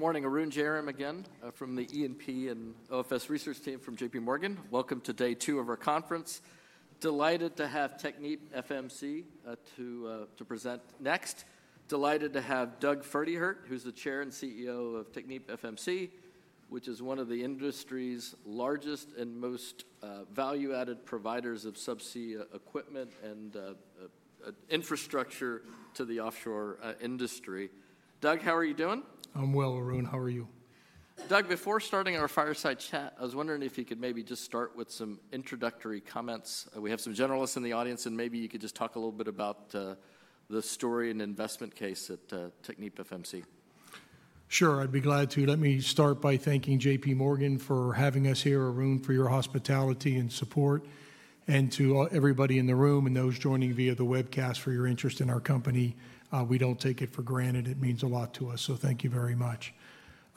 Good morning, Arun Jayaram again from the E&P and OFS research team from JPMorgan. Welcome to day two of our conference. Delighted to have TechnipFMC to present next. Delighted to have Doug Pferdehirt, who's the Chair and CEO of TechnipFMC, which is one of the industry's largest and most value-added providers of subsea equipment and infrastructure to the offshore industry. Doug, how are you doing? I'm well, Arun. How are you? Doug, before starting our fireside chat, I was wondering if you could maybe just start with some introductory comments. We have some generalists in the audience, and maybe you could just talk a little bit about the story and investment case at TechnipFMC. Sure, I'd be glad to. Let me start by thanking JPMorgan for having us here, Arun, for your hospitality and support, and to everybody in the room and those joining via the webcast for your interest in our company. We don't take it for granted. It means a lot to us, so thank you very much.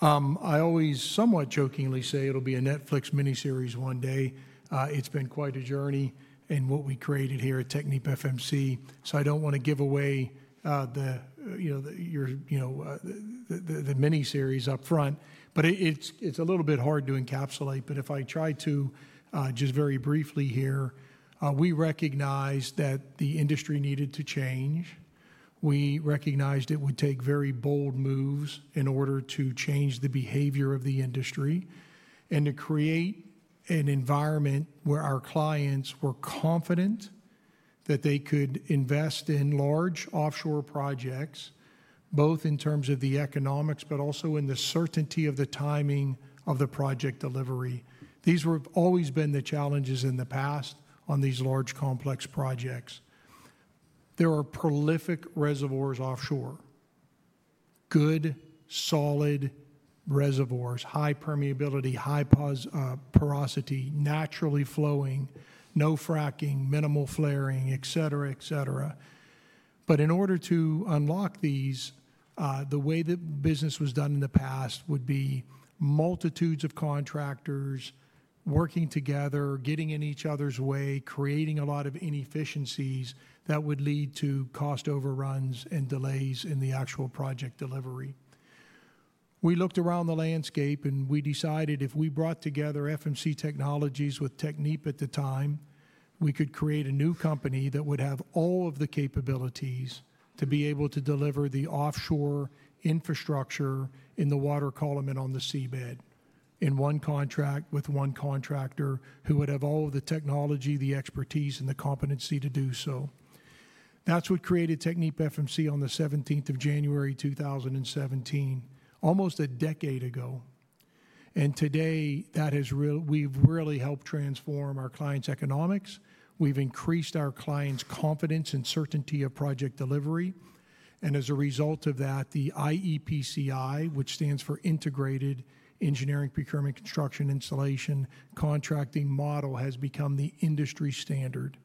I always somewhat jokingly say it'll be a Netflix miniseries one day. It's been quite a journey in what we created here at TechnipFMC, so I don't want to give away the, you know, the miniseries up front, but it's a little bit hard to encapsulate. If I try to, just very briefly here, we recognized that the industry needed to change. We recognized it would take very bold moves in order to change the behavior of the industry and to create an environment where our clients were confident that they could invest in large offshore projects, both in terms of the economics, but also in the certainty of the timing of the project delivery. These have always been the challenges in the past on these large, complex projects. There are prolific reservoirs offshore. Good, solid reservoirs. High permeability, high porosity, naturally flowing, no fracking, minimal flaring, et cetera, et cetera. In order to unlock these, the way that business was done in the past would be multitudes of contractors working together, getting in each other's way, creating a lot of inefficiencies that would lead to cost overruns and delays in the actual project delivery. We looked around the landscape and we decided if we brought together FMC Technologies with Technip at the time, we could create a new company that would have all of the capabilities to be able to deliver the offshore infrastructure in the water column and on the seabed in one contract with one contractor who would have all of the technology, the expertise, and the competency to do so. That is what created TechnipFMC on the 17th of January, 2017, almost a decade ago. Today, that has really helped transform our clients' economics. We have increased our clients' confidence and certainty of project delivery. As a result of that, the IEPCI, which stands for Integrated Engineering Procurement Construction Installation Contracting Model, has become the industry standard.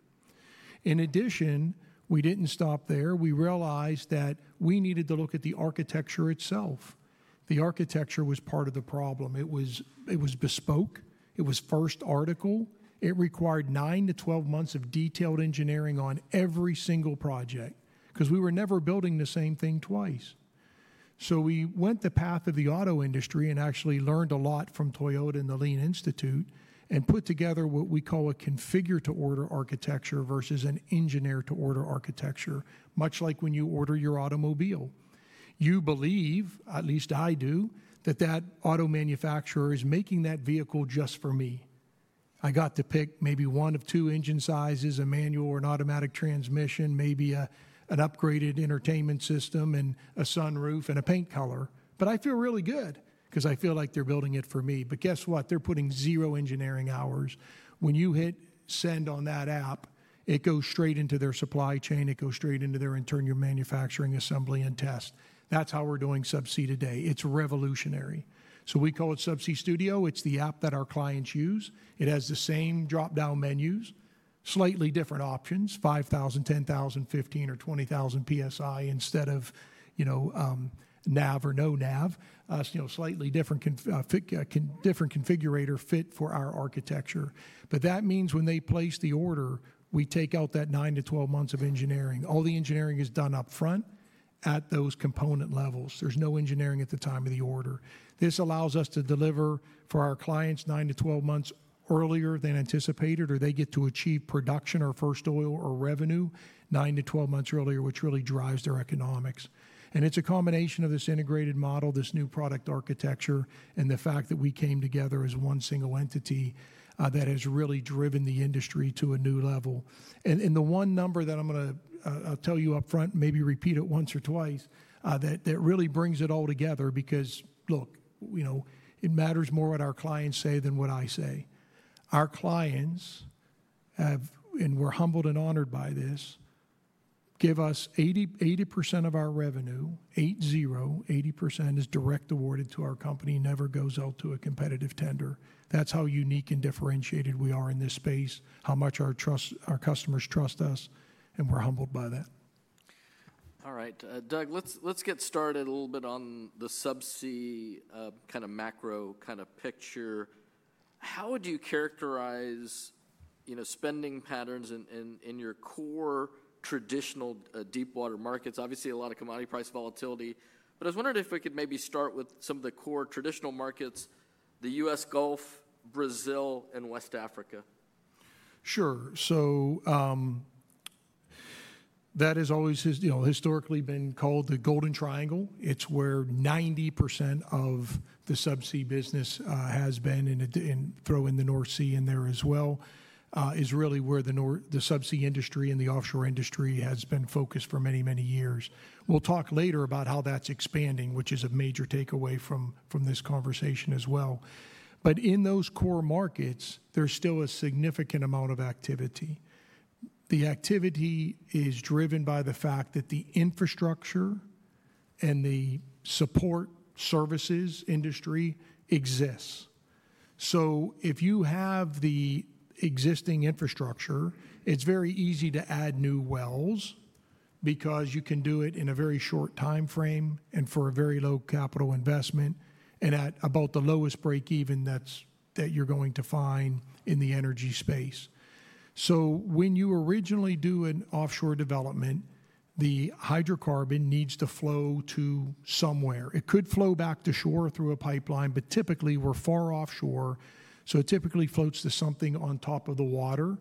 In addition, we did not stop there. We realized that we needed to look at the architecture itself. The architecture was part of the problem. It was bespoke. It was first article. It required nine to twelve months of detailed engineering on every single project because we were never building the same thing twice. We went the path of the auto industry and actually learned a lot from Toyota and the Lean Institute and put together what we call a configure-to-order architecture versus an engineer-to-order architecture, much like when you order your automobile. You believe, at least I do, that that auto manufacturer is making that vehicle just for me. I got to pick maybe one of two engine sizes, a manual or an automatic transmission, maybe an upgraded entertainment system and a sunroof and a paint color. I feel really good because I feel like they are building it for me. Guess what? They are putting zero engineering hours. When you hit send on that app, it goes straight into their supply chain. It goes straight into their internal manufacturing assembly and test. That's how we're doing subsea today. It's revolutionary. So we call it Subsea Studio. It's the app that our clients use. It has the same drop-down menus, slightly different options, 5,000, 10,000, 15,000, or 20,000 PSI instead of, you know, NAV or no NAV, you know, slightly different configurator fit for our architecture. But that means when they place the order, we take out that nine to twelve months of engineering. All the engineering is done up front at those component levels. There's no engineering at the time of the order. This allows us to deliver for our clients nine months to 12 months earlier than anticipated, or they get to achieve production or first oil or revenue nine months to 12 months earlier, which really drives their economics. It is a combination of this integrated model, this new product architecture, and the fact that we came together as one single entity that has really driven the industry to a new level. The one number that I am going to tell you up front, maybe repeat it once or twice, that really brings it all together because, look, you know, it matters more what our clients say than what I say. Our clients have, and we are humbled and honored by this, given us 80% of our revenue. Eight zero, 80% is direct awarded to our company, never goes out to a competitive tender. That is how unique and differentiated we are in this space, how much our customers trust us, and we are humbled by that. All right, Doug, let's get started a little bit on the subsea kind of macro kind of picture. How would you characterize, you know, spending patterns in your core traditional deep water markets? Obviously, a lot of commodity price volatility. I was wondering if we could maybe start with some of the core traditional markets, the U.S. Gulf, Brazil, and West Africa. Sure. So that has always, you know, historically been called the Golden Triangle. It's where 90% of the subsea business has been, and throw in the North Sea in there as well, is really where the subsea industry and the offshore industry has been focused for many, many years. We'll talk later about how that's expanding, which is a major takeaway from this conversation as well. In those core markets, there's still a significant amount of activity. The activity is driven by the fact that the infrastructure and the support services industry exists. If you have the existing infrastructure, it's very easy to add new wells because you can do it in a very short time frame and for a very low capital investment and at about the lowest breakeven that you're going to find in the energy space. When you originally do an offshore development, the hydrocarbon needs to flow to somewhere. It could flow back to shore through a pipeline, but typically we're far offshore, so it typically floats to something on top of the water,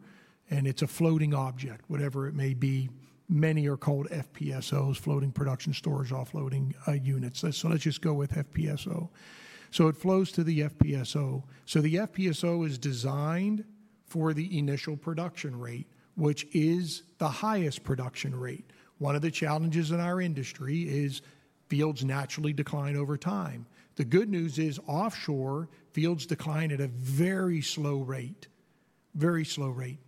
and it's a floating object, whatever it may be. Many are called FPSOs, Floating Production Storage Offloading Units. Let's just go with FPSO. It flows to the FPSO. The FPSO is designed for the initial production rate, which is the highest production rate. One of the challenges in our industry is fields naturally decline over time. The good news is offshore fields decline at a very slow rate, very slow rate,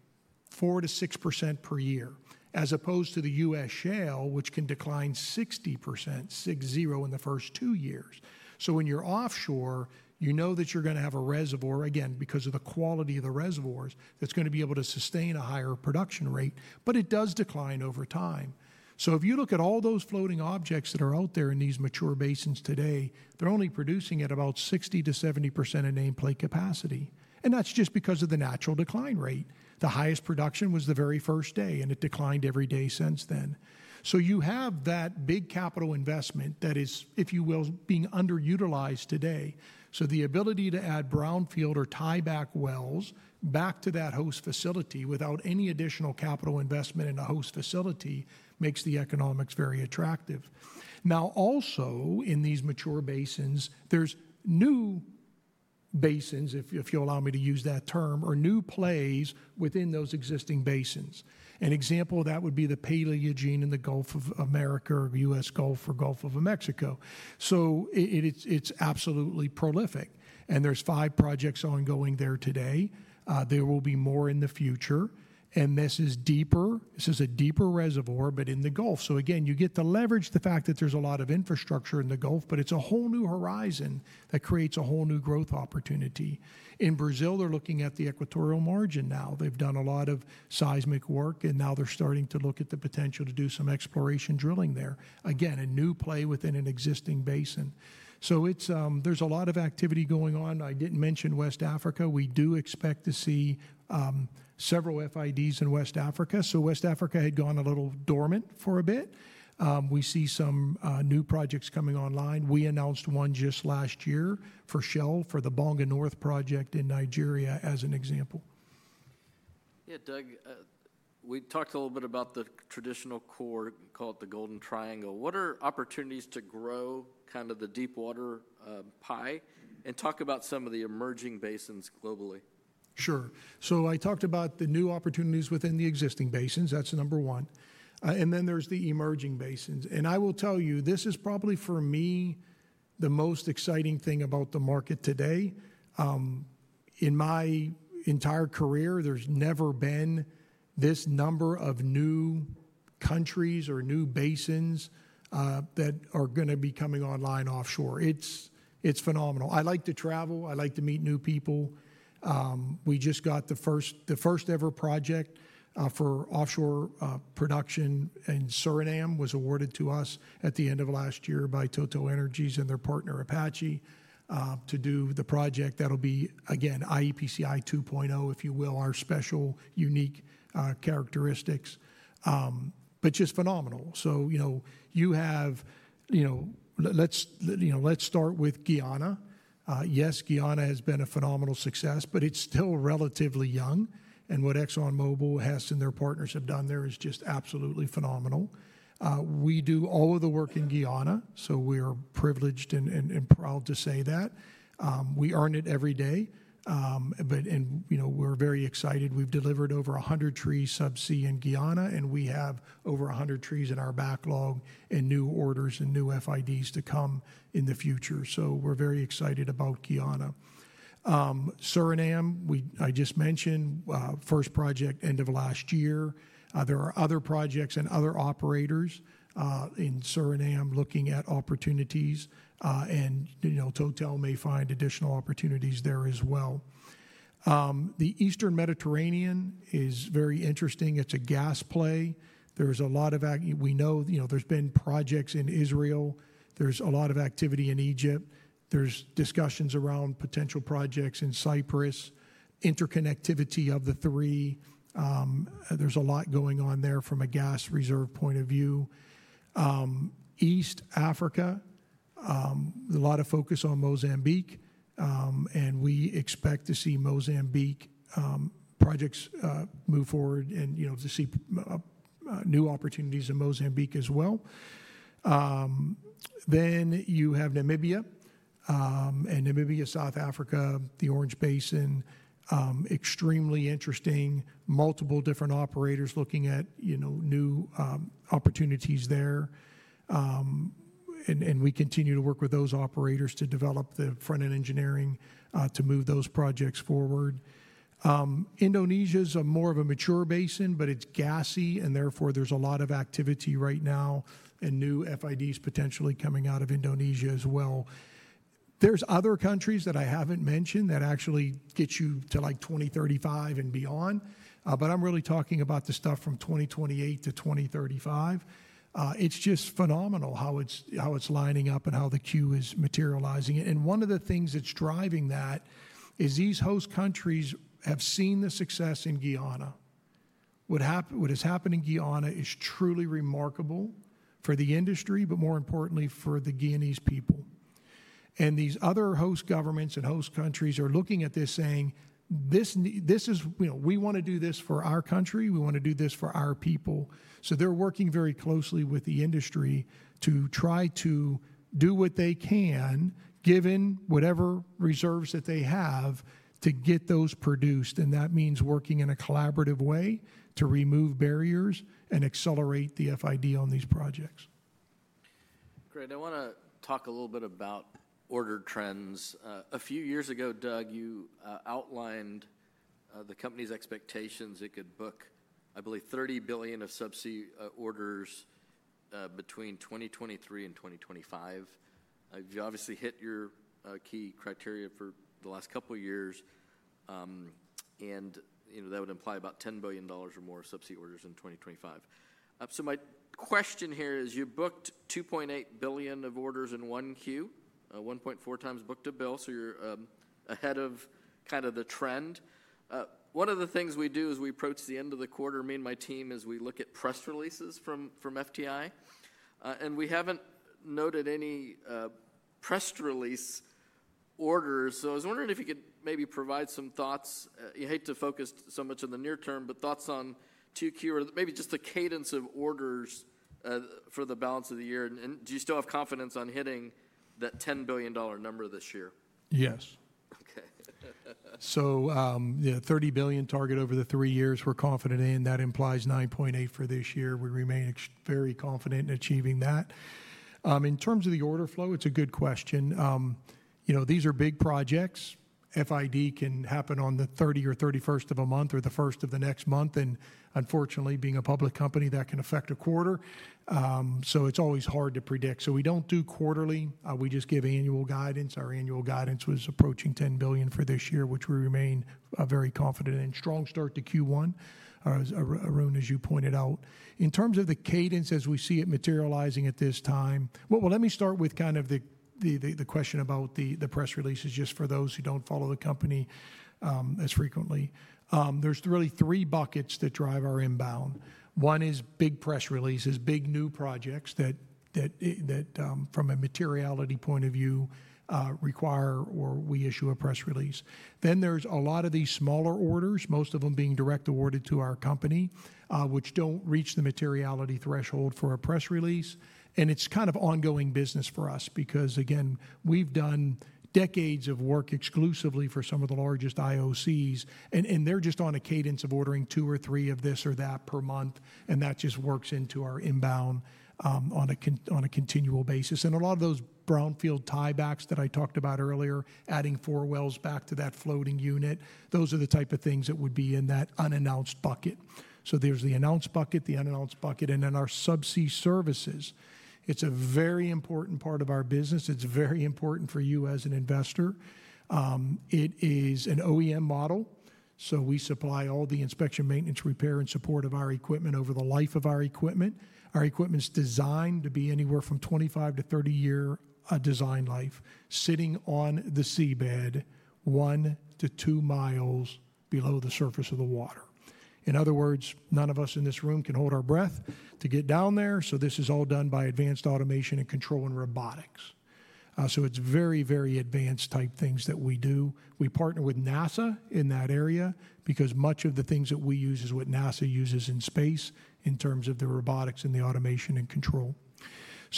4%-6% per year, as opposed to the U.S. shale, which can decline 60%, six zero, in the first two years. When you're offshore, you know that you're going to have a reservoir, again, because of the quality of the reservoirs, that's going to be able to sustain a higher production rate, but it does decline over time. If you look at all those floating objects that are out there in these mature basins today, they're only producing at about 60-70% in nameplate capacity. That's just because of the natural decline rate. The highest production was the very first day, and it declined every day since then. You have that big capital investment that is, if you will, being underutilized today. The ability to add brownfield or tie back wells back to that host facility without any additional capital investment in a host facility makes the economics very attractive. Now, also in these mature basins, there's new basins, if you allow me to use that term, or new plays within those existing basins. An example of that would be the Paleogene in the Gulf of Mexico, or U.S. Gulf, or Gulf of Mexico. It is absolutely prolific. There are five projects ongoing there today. There will be more in the future. This is deeper. This is a deeper reservoir, but in the Gulf. You get to leverage the fact that there's a lot of infrastructure in the Gulf, but it's a whole new horizon that creates a whole new growth opportunity. In Brazil, they're looking at the equatorial margin now. They've done a lot of seismic work, and now they're starting to look at the potential to do some exploration drilling there. Again, a new play within an existing basin. There's a lot of activity going on. I didn't mention West Africa. We do expect to see several FIDs in West Africa. West Africa had gone a little dormant for a bit. We see some new projects coming online. We announced one just last year for Shell for the Bonga North project in Nigeria as an example. Yeah, Doug, we talked a little bit about the traditional core, called the Golden Triangle. What are opportunities to grow kind of the deep water pie and talk about some of the emerging basins globally? Sure. I talked about the new opportunities within the existing basins. That's number one. Then there's the emerging basins. I will tell you, this is probably for me the most exciting thing about the market today. In my entire career, there's never been this number of new countries or new basins that are going to be coming online offshore. It's phenomenal. I like to travel. I like to meet new people. We just got the first ever project for offshore production in Suriname. It was awarded to us at the end of last year by TotalEnergies and their partner, Apache, to do the project. That'll be, again, IEPCI 2.0, if you will, our special unique characteristics. Just phenomenal. You know, you have, you know, let's start with Guyana. Yes, Guyana has been a phenomenal success, but it's still relatively young. What Exxon Mobil has and their partners have done there is just absolutely phenomenal. We do all of the work in Guyana, so we are privileged and proud to say that. We earn it every day. You know, we're very excited. We've delivered over 100 trees subsea in Guyana, and we have over 100 trees in our backlog and new orders and new FIDs to come in the future. We're very excited about Guyana. Suriname, I just mentioned, first project end of last year. There are other projects and other operators in Suriname looking at opportunities, and, you know, Total may find additional opportunities there as well. The Eastern Mediterranean is very interesting. It's a gas play. There's a lot of, we know, you know, there's been projects in Israel. There's a lot of activity in Egypt. There's discussions around potential projects in Cyprus, interconnectivity of the three. There's a lot going on there from a gas reserve point of view. East Africa, a lot of focus on Mozambique, and we expect to see Mozambique projects move forward and, you know, to see new opportunities in Mozambique as well. You have Namibia and Namibia, South Africa, the Orange Basin, extremely interesting, multiple different operators looking at, you know, new opportunities there. We continue to work with those operators to develop the front-end engineering to move those projects forward. Indonesia is more of a mature basin, but it's gassy, and therefore there's a lot of activity right now and new FIDs potentially coming out of Indonesia as well. There are other countries that I haven't mentioned that actually get you to like 2035 and beyond, but I'm really talking about the stuff from 2028 -2035. It's just phenomenal how it's lining up and how the queue is materializing. One of the things that's driving that is these host countries have seen the success in Guyana. What has happened in Guyana is truly remarkable for the industry, but more importantly for the Guyanese people. These other host governments and host countries are looking at this saying, this is, you know, we want to do this for our country. We want to do this for our people. They are working very closely with the industry to try to do what they can, given whatever reserves that they have, to get those produced. That means working in a collaborative way to remove barriers and accelerate the FID on these projects. Great. I want to talk a little bit about order trends. A few years ago, Doug, you outlined the company's expectations. It could book, I believe, $30 billion of subsea orders between 2023 and 2025. You obviously hit your key criteria for the last couple of years. You know, that would imply about $10 billion or more subsea orders in 2025. My question here is, you booked $2.8 billion of orders in 1Q, 1.4 times book to bill. You are ahead of kind of the trend. One of the things we do as we approach the end of the quarter, me and my team, is we look at press releases from FTI. We have not noted any press release orders. I was wondering if you could maybe provide some thoughts. You hate to focus so much on the near term, but thoughts on 2Q, or maybe just the cadence of orders for the balance of the year. Do you still have confidence on hitting that $10 billion number this year? Yes. Okay. Yeah, $30 billion target over the three years. We're confident in that. That implies $9.8 billion for this year. We remain very confident in achieving that. In terms of the order flow, it's a good question. You know, these are big projects. FID can happen on the 30th or 31st of a month or the 1st of the next month. Unfortunately, being a public company, that can affect a quarter. It's always hard to predict. We do not do quarterly. We just give annual guidance. Our annual guidance was approaching $10 billion for this year, which we remain very confident in. Strong start to Q1, Arun, as you pointed out. In terms of the cadence, as we see it materializing at this time, let me start with kind of the question about the press releases, just for those who do not follow the company as frequently. There's really three buckets that drive our inbound. One is big press releases, big new projects that, from a materiality point of view, require or we issue a press release. There is a lot of these smaller orders, most of them being direct awarded to our company, which do not reach the materiality threshold for a press release. It is kind of ongoing business for us because, again, we have done decades of work exclusively for some of the largest IOCs. They are just on a cadence of ordering two or three of this or that per month. That just works into our inbound on a continual basis. A lot of those brownfield tiebacks that I talked about earlier, adding four wells back to that floating unit, those are the type of things that would be in that unannounced bucket. There's the announced bucket, the unannounced bucket, and then our subsea services. It's a very important part of our business. It's very important for you as an investor. It is an OEM model. We supply all the inspection, maintenance, repair, and support of our equipment over the life of our equipment. Our equipment's designed to be anywhere from 25 year-30 year design life, sitting on the seabed one to two miles below the surface of the water. In other words, none of us in this room can hold our breath to get down there. This is all done by advanced automation and control and robotics. It's very, very advanced type things that we do. We partner with NASA in that area because much of the things that we use is what NASA uses in space in terms of the robotics and the automation and control.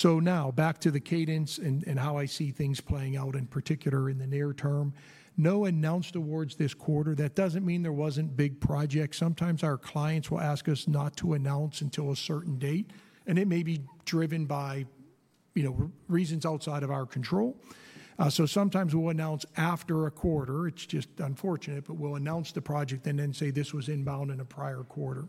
Now back to the cadence and how I see things playing out in particular in the near term. No announced awards this quarter. That does not mean there were not big projects. Sometimes our clients will ask us not to announce until a certain date. It may be driven by, you know, reasons outside of our control. Sometimes we will announce after a quarter. It is just unfortunate, but we will announce the project and then say this was inbound in a prior quarter.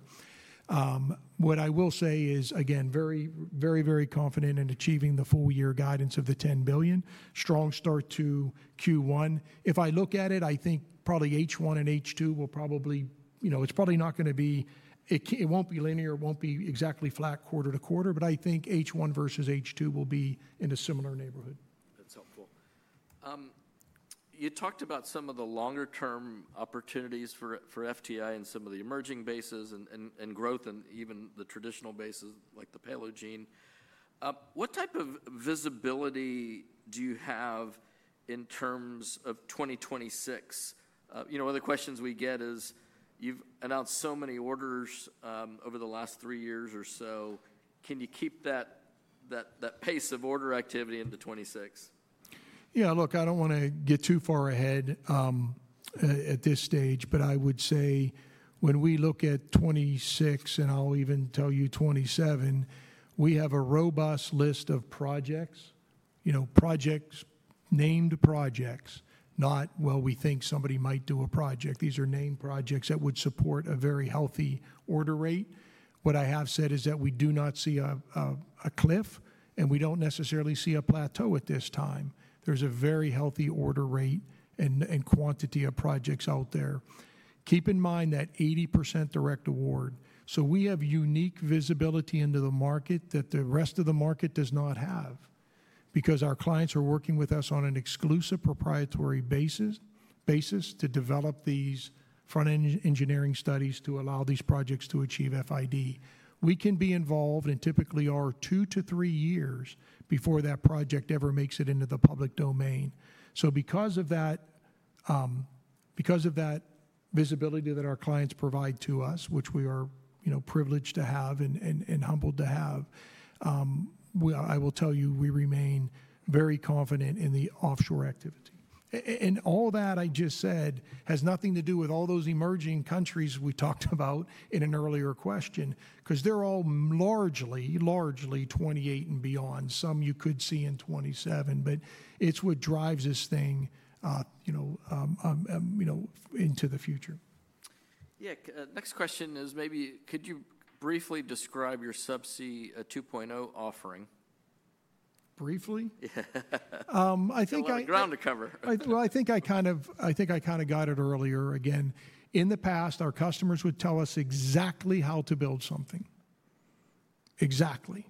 What I will say is, again, very, very, very confident in achieving the full year guidance of the $10 billion. Strong start to Q1. If I look at it, I think probably H1 and H2 will probably, you know, it's probably not going to be, it won't be linear, it won't be exactly flat quarter-to-quarter, but I think H1 versus H2 will be in a similar neighborhood. That's helpful. You talked about some of the longer-term opportunities for FTI and some of the emerging bases and growth and even the traditional bases like the Paleogene. What type of visibility do you have in terms of 2026? You know, one of the questions we get is you've announced so many orders over the last three years or so. Can you keep that pace of order activity into 2026? Yeah, look, I do not want to get too far ahead at this stage, but I would say when we look at 2026 and I will even tell you 2027, we have a robust list of projects, you know, projects, named projects, not, well, we think somebody might do a project. These are named projects that would support a very healthy order rate. What I have said is that we do not see a cliff and we do not necessarily see a plateau at this time. There is a very healthy order rate and quantity of projects out there. Keep in mind that 80% direct award. So we have unique visibility into the market that the rest of the market does not have because our clients are working with us on an exclusive proprietary basis to develop these front-end engineering studies to allow these projects to achieve FID. We can be involved in typically our two to three years before that project ever makes it into the public domain. Because of that, because of that visibility that our clients provide to us, which we are, you know, privileged to have and humbled to have, I will tell you we remain very confident in the offshore activity. All that I just said has nothing to do with all those emerging countries we talked about in an earlier question because they're all largely, largely 2028 and beyond. Some you could see in 2027, but it's what drives this thing, you know, you know, into the future. Yeah. Next question is maybe could you briefly describe your Subsea 2.0 offering? Briefly? Yeah. I think I. Ground to cover. I think I kind of got it earlier. Again, in the past, our customers would tell us exactly how to build something. Exactly.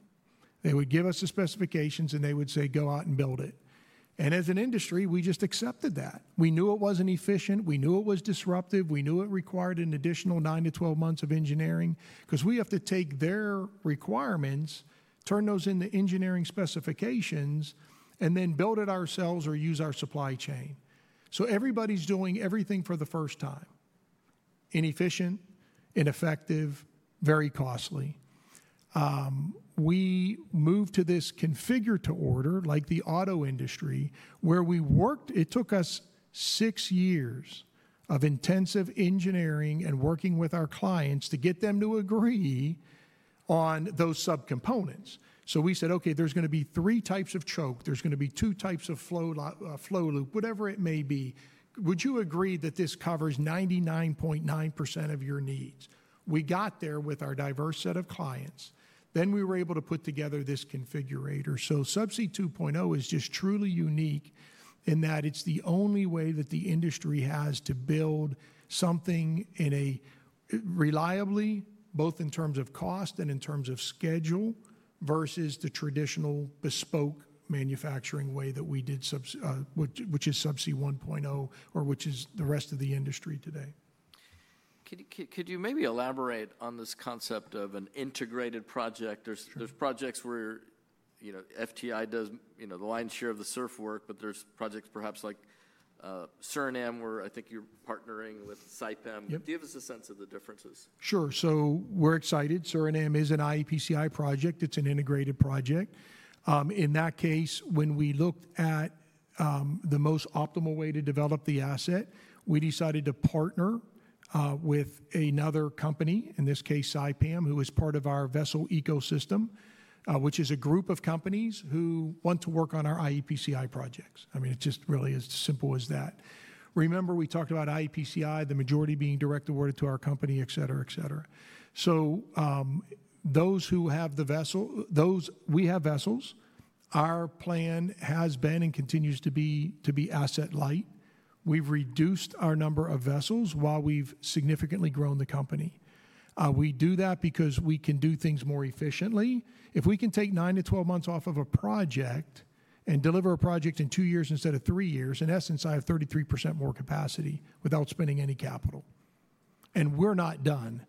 They would give us the specifications and they would say, "Go out and build it." As an industry, we just accepted that. We knew it was not efficient. We knew it was disruptive. We knew it required an additional 9 months-12 months of engineering because we have to take their requirements, turn those into engineering specifications, and then build it ourselves or use our supply chain. Everybody is doing everything for the first time. Inefficient, ineffective, very costly. We moved to this configure-to-order, like the auto industry, where we worked. It took us six years of intensive engineering and working with our clients to get them to agree on those subcomponents. We said, "Okay, there's going to be three types of choke. There's going to be two types of flow loop, whatever it may be. Would you agree that this covers 99.9% of your needs?" We got there with our diverse set of clients. Then we were able to put together this configurator. Subsea 2.0 is just truly unique in that it's the only way that the industry has to build something reliably, both in terms of cost and in terms of schedule versus the traditional bespoke manufacturing way that we did, which is Subsea 1.0 or which is the rest of the industry today. Could you maybe elaborate on this concept of an integrated project? There's projects where, you know, TechnipFMC does, you know, the lion's share of the SURF work, but there's projects perhaps like Suriname where I think you're partnering with Saipem. Give us a sense of the differences. Sure. We're excited. Suriname is an iEPCI project. It's an integrated project. In that case, when we looked at the most optimal way to develop the asset, we decided to partner with another company, in this case, Saipem, who is part of our vessel ecosystem, which is a group of companies who want to work on our iEPCI projects. I mean, it just really is as simple as that. Remember, we talked about iEPCI, the majority being direct awarded to our company, et cetera, et cetera. Those who have the vessel, those we have vessels. Our plan has been and continues to be asset light. We've reduced our number of vessels while we've significantly grown the company. We do that because we can do things more efficiently. If we can take 9 months-12 months off of a project and deliver a project in two years instead of three years, in essence, I have 33% more capacity without spending any capital. We're not done.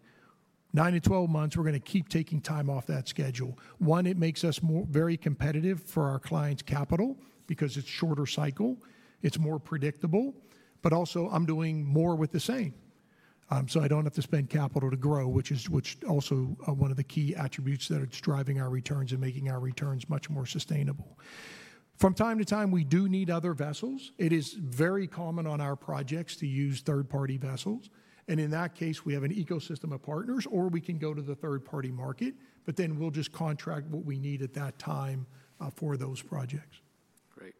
9 months -12 months, we're going to keep taking time off that schedule. One, it makes us very competitive for our client's capital because it's shorter cycle. It's more predictable. Also, I'm doing more with the same. I don't have to spend capital to grow, which is also one of the key attributes that are driving our returns and making our returns much more sustainable. From time to time, we do need other vessels. It is very common on our projects to use third-party vessels. In that case, we have an ecosystem of partners or we can go to the third-party market, but then we'll just contract what we need at that time for those projects. Great.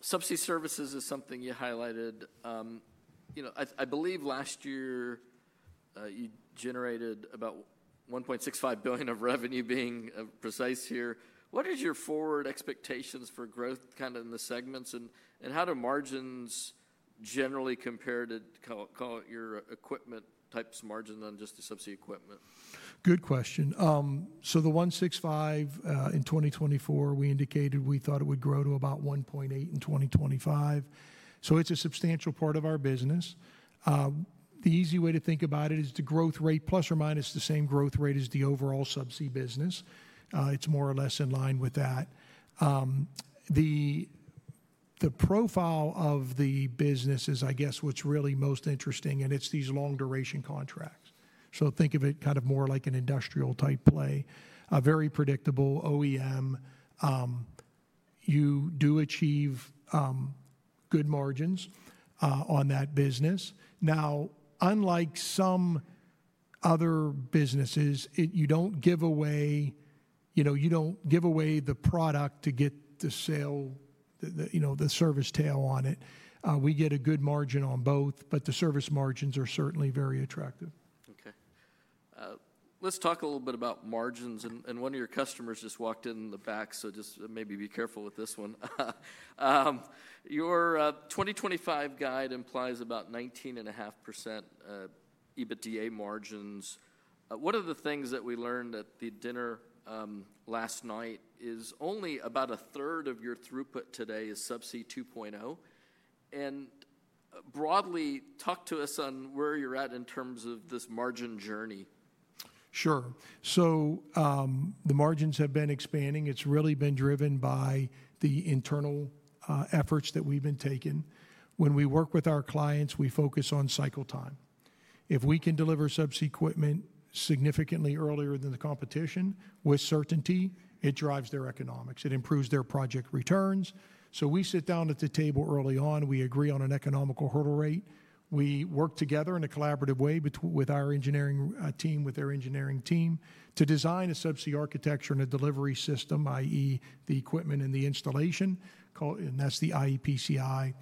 Subsea services is something you highlighted. You know, I believe last year you generated about $1.65 billion of revenue, being precise here. What are your forward expectations for growth kind of in the segments and how do margins generally compare to call it your equipment types margin than just the subsea equipment? Good question. The $1.65 billion in 2024, we indicated we thought it would grow to about $1.8 billion in 2025. It is a substantial part of our business. The easy way to think about it is the growth rate plus or minus the same growth rate as the overall subsea business. It is more or less in line with that. The profile of the business is, I guess, what is really most interesting, and it is these long-duration contracts. Think of it kind of more like an industrial type play. Very predictable OEM. You do achieve good margins on that business. Now, unlike some other businesses, you do not give away, you know, you do not give away the product to get the sale, you know, the service tail on it. We get a good margin on both, but the service margins are certainly very attractive. Okay. Let's talk a little bit about margins. One of your customers just walked in the back, so just maybe be careful with this one. Your 2025 guide implies about 19.5% EBITDA margins. One of the things that we learned at the dinner last night is only about a third of your throughput today is Subsea 2.0. Broadly, talk to us on where you're at in terms of this margin journey. Sure. The margins have been expanding. It has really been driven by the internal efforts that we have been taking. When we work with our clients, we focus on cycle time. If we can deliver subsea equipment significantly earlier than the competition, with certainty, it drives their economics. It improves their project returns. We sit down at the table early on. We agree on an economical hurdle rate. We work together in a collaborative way with our engineering team, with their engineering team to design a subsea architecture and a delivery system, i.e., the equipment and the installation, and that is the iEPCI.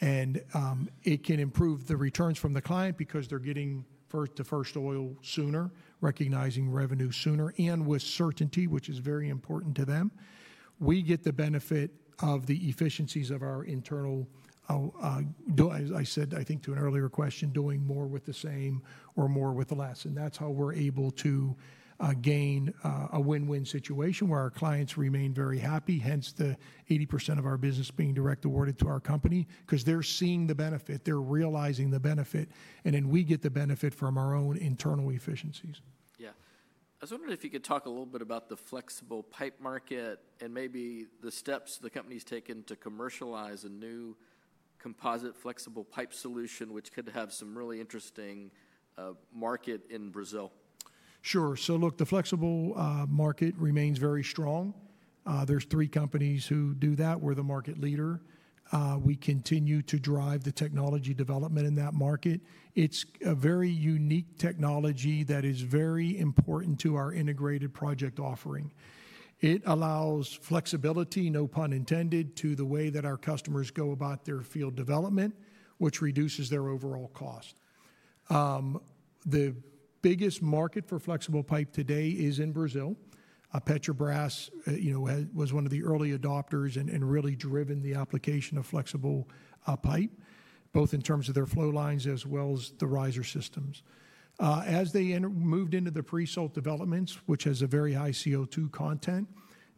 It can improve the returns from the client because they are getting first-to-first oil sooner, recognizing revenue sooner, and with certainty, which is very important to them. We get the benefit of the efficiencies of our internal, as I said, I think to an earlier question, doing more with the same or more with the less. That is how we are able to gain a win-win situation where our clients remain very happy, hence the 80% of our business being direct awarded to our company because they are seeing the benefit. They are realizing the benefit. Then we get the benefit from our own internal efficiencies. Yeah. I was wondering if you could talk a little bit about the flexible pipe market and maybe the steps the company's taken to commercialize a new composite flexible pipe solution, which could have some really interesting market in Brazil. Sure. Look, the flexible market remains very strong. There are three companies who do that. We are the market leader. We continue to drive the technology development in that market. It is a very unique technology that is very important to our integrated project offering. It allows flexibility, no pun intended, to the way that our customers go about their field development, which reduces their overall cost. The biggest market for flexible pipe today is in Brazil. Petrobras, you know, was one of the early adopters and really driven the application of flexible pipe, both in terms of their flow lines as well as the riser systems. As they moved into the pre-salt developments, which has a very high CO2 content,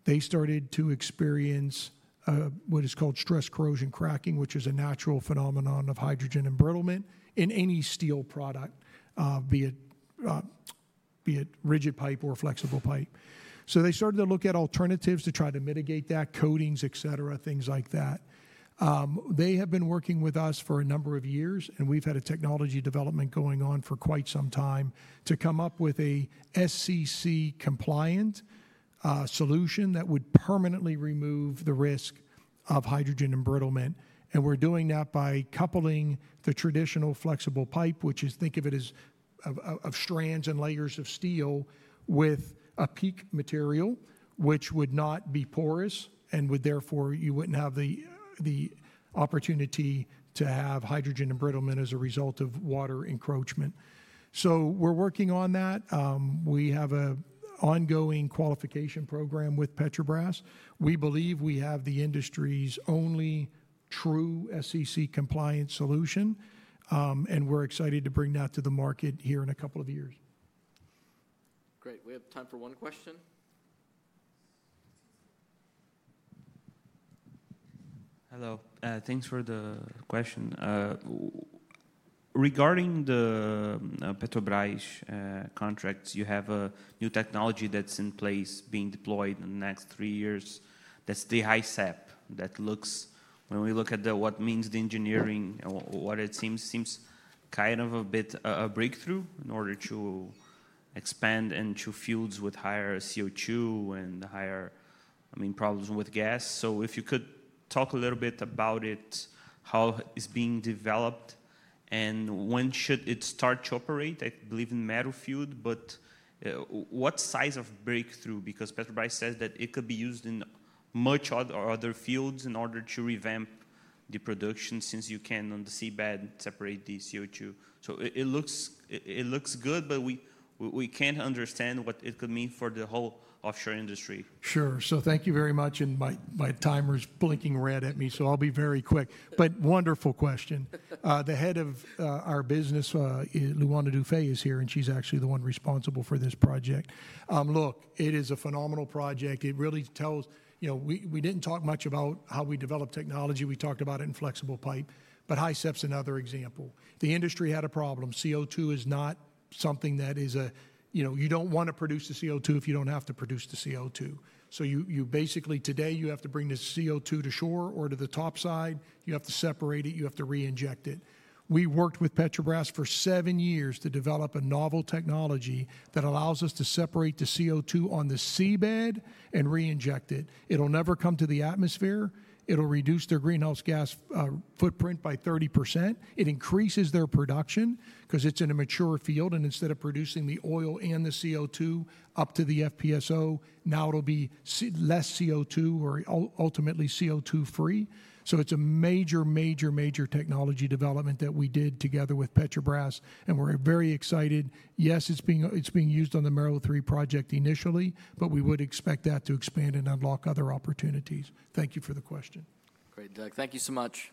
they started to experience what is called stress corrosion cracking, which is a natural phenomenon of hydrogen embrittlement in any steel product, be it rigid pipe or flexible pipe. They started to look at alternatives to try to mitigate that, coatings, et cetera, things like that. They have been working with us for a number of years, and we've had a technology development going on for quite some time to come up with a SCC compliant solution that would permanently remove the risk of hydrogen embrittlement. We're doing that by coupling the traditional flexible pipe, which is, think of it as strands and layers of steel, with a PEEK material, which would not be porous and would therefore you wouldn't have the opportunity to have hydrogen embrittlement as a result of water encroachment. We're working on that. We have an ongoing qualification program with Petrobras. We believe we have the industry's only true SCC compliant solution, and we're excited to bring that to the market here in a couple of years. Great. We have time for one question. Hello. Thanks for the question. Regarding the Petrobras contracts, you have a new technology that's in place being deployed in the next three years that's the HISEPS that looks, when we look at what means the engineering, what it seems kind of a bit a breakthrough in order to expand into fields with higher CO2 and higher, I mean, problems with gas. If you could talk a little bit about it, how it's being developed and when should it start to operate? I believe in Mero field, but what size of breakthrough? Because Petrobras says that it could be used in much other fields in order to revamp the production since you can on the seabed separate the CO2. It looks good, but we can't understand what it could mean for the whole offshore industry. Sure. Thank you very much. My timer is blinking red at me, so I'll be very quick. Wonderful question. The head of our business, Luana Dufay, is here, and she's actually the one responsible for this project. Look, it is a phenomenal project. It really tells, you know, we did not talk much about how we develop technology. We talked about it in flexible pipe, but HISEPS is another example. The industry had a problem. CO2 is not something that is a, you know, you do not want to produce the CO2 if you do not have to produce the CO2. You basically today have to bring the CO2 to shore or to the top side. You have to separate it. You have to re-inject it. We worked with Petrobras for seven years to develop a novel technology that allows us to separate the CO2 on the seabed and re-inject it. It'll never come to the atmosphere. It'll reduce their greenhouse gas footprint by 30%. It increases their production because it's in a mature field. Instead of producing the oil and the CO2 up to the FPSO, now it'll be less CO2 or ultimately CO2-free. It is a major, major, major technology development that we did together with Petrobras. We are very excited. Yes, it's being used on the Merrill III project initially, but we would expect that to expand and unlock other opportunities. Thank you for the question. Great. Doug, thank you so much.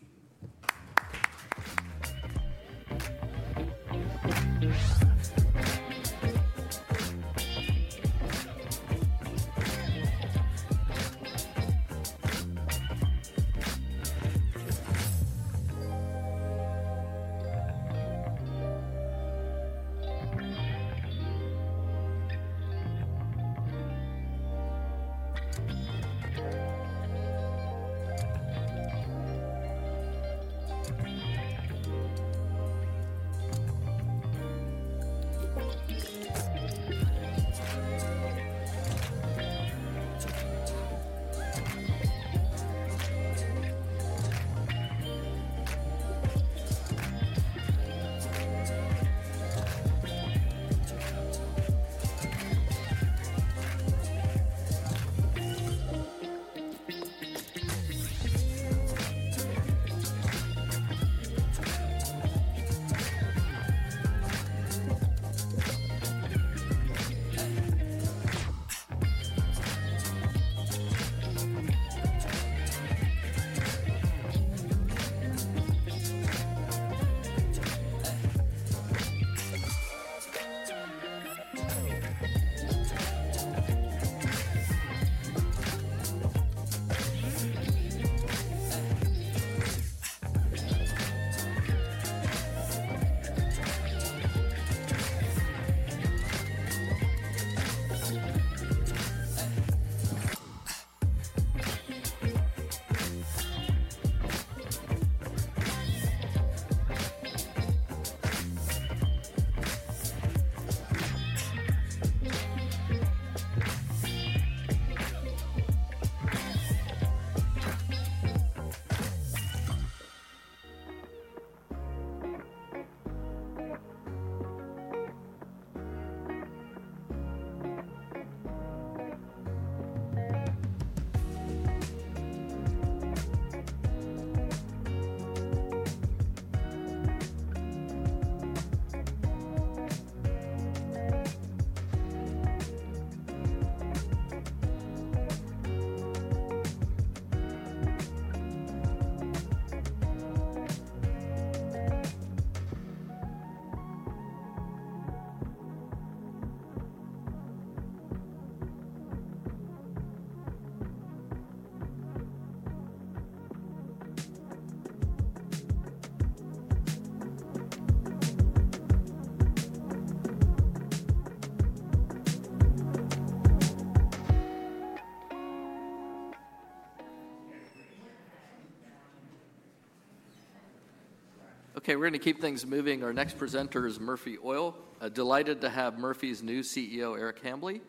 Okay. We're going to keep things moving. Our next presenter is Murphy Oil. Delighted to have Murphy's new CEO, Eric Hambly,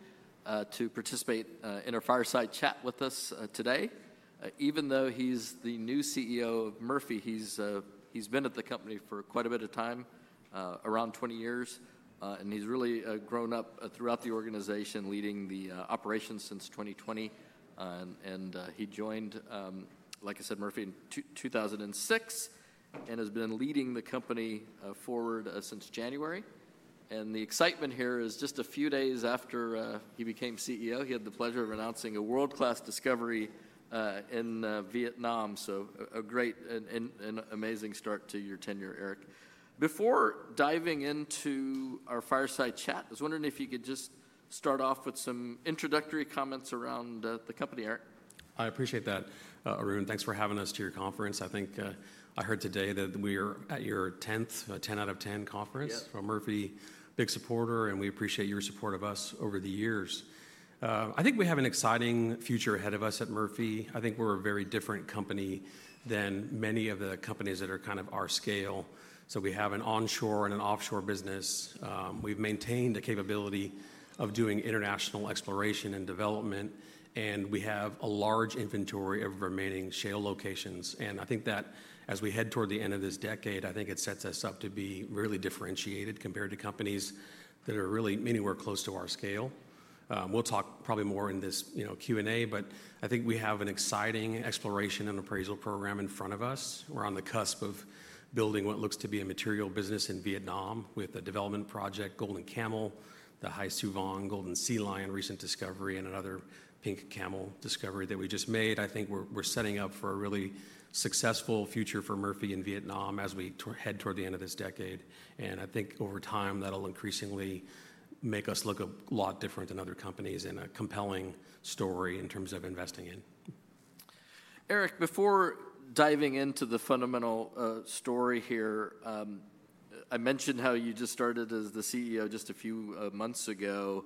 to participate in a fireside chat with us today. Even though he's the new CEO of Murphy, he's been at the company for quite a bit of time, around 20 years. He's really grown up throughout the organization, leading the operations since 2020. He joined, like I said, Murphy in 2006 and has been leading the company forward since January. The excitement here is just a few days after he became CEO, he had the pleasure of announcing a world-class discovery in Vietnam. A great and amazing start to your tenure, Eric. Before diving into our fireside chat, I was wondering if you could just start off with some introductory comments around the company, Eric. I appreciate that, Arun. Thanks for having us to your conference. I think I heard today that we are at your 10th, 10 out of 10 conference. Yes. Murphy, big supporter, and we appreciate your support of us over the years. I think we have an exciting future ahead of us at Murphy. I think we're a very different company than many of the companies that are kind of our scale. We have an onshore and an offshore business. We've maintained the capability of doing international exploration and development, and we have a large inventory of remaining shale locations. I think that as we head toward the end of this decade, it sets us up to be really differentiated compared to companies that are really many were close to our scale. We'll talk probably more in this Q&A, but I think we have an exciting exploration and appraisal program in front of us. We're on the cusp of building what looks to be a material business in Vietnam with a development project, Golden Camel, the Hai Su Vong Golden Sea Lion recent discovery, and another Pink Camel discovery that we just made. I think we're setting up for a really successful future for Murphy in Vietnam as we head toward the end of this decade. I think over time that'll increasingly make us look a lot different than other companies and a compelling story in terms of investing in. Eric, before diving into the fundamental story here, I mentioned how you just started as the CEO just a few months ago,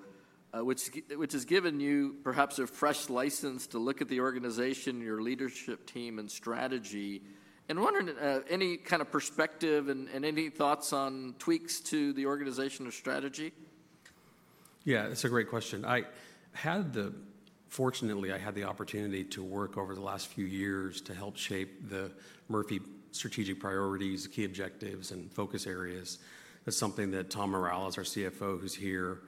which has given you perhaps a fresh license to look at the organization, your leadership team, and strategy. I'm wondering, any kind of perspective and any thoughts on tweaks to the organization or strategy? Yeah, that's a great question. Fortunately, I had the opportunity to work over the last few years to help shape the Murphy strategic priorities, key objectives, and focus areas. That's something that Tom Morales, our CFO, who's here,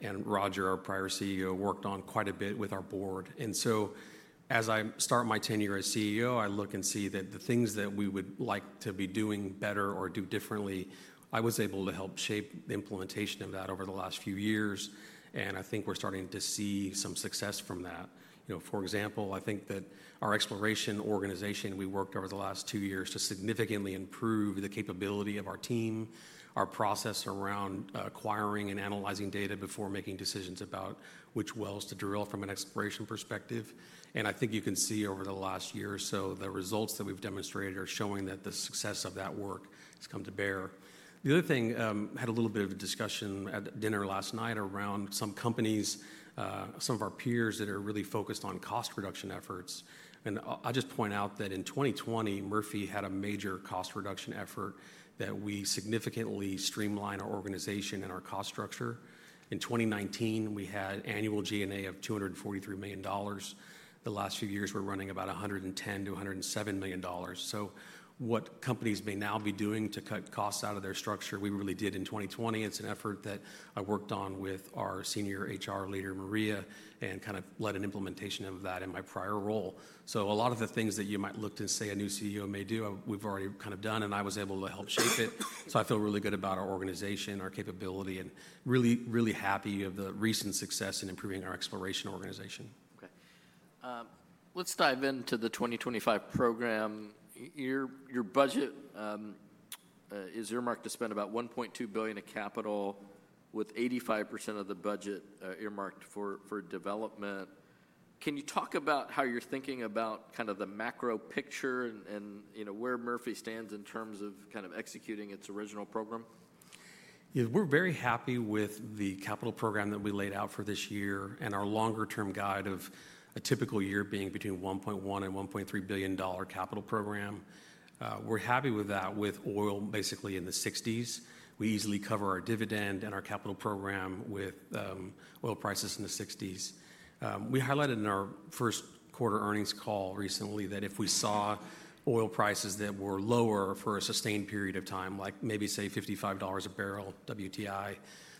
and Roger, our prior CEO, worked on quite a bit with our board. As I start my tenure as CEO, I look and see that the things that we would like to be doing better or do differently, I was able to help shape the implementation of that over the last few years. I think we're starting to see some success from that. For example, I think that our exploration organization, we worked over the last two years to significantly improve the capability of our team, our process around acquiring and analyzing data before making decisions about which wells to drill from an exploration perspective. I think you can see over the last year or so, the results that we've demonstrated are showing that the success of that work has come to bear. The other thing, I had a little bit of a discussion at dinner last night around some companies, some of our peers that are really focused on cost reduction efforts. I'll just point out that in 2020, Murphy had a major cost reduction effort that we significantly streamlined our organization and our cost structure. In 2019, we had annual G&A of $243 million. The last few years, we're running about $110 million -$107 million. What companies may now be doing to cut costs out of their structure, we really did in 2020. It's an effort that I worked on with our senior HR leader, Maria, and kind of led an implementation of that in my prior role. A lot of the things that you might look to say a new CEO may do, we've already kind of done, and I was able to help shape it. I feel really good about our organization, our capability, and really, really happy of the recent success in improving our exploration organization. Okay. Let's dive into the 2025 program. Your budget is earmarked to spend about $1.2 billion of capital, with 85% of the budget earmarked for development. Can you talk about how you're thinking about kind of the macro picture and where Murphy stands in terms of kind of executing its original program? Yeah, we're very happy with the capital program that we laid out for this year and our longer-term guide of a typical year being between $1.1 billion and $1.3 billion capital program. We're happy with that, with oil basically in the 60s. We easily cover our dividend and our capital program with oil prices in the 60s. We highlighted in our first quarter earnings call recently that if we saw oil prices that were lower for a sustained period of time, like maybe say $55 a barrel, WTI,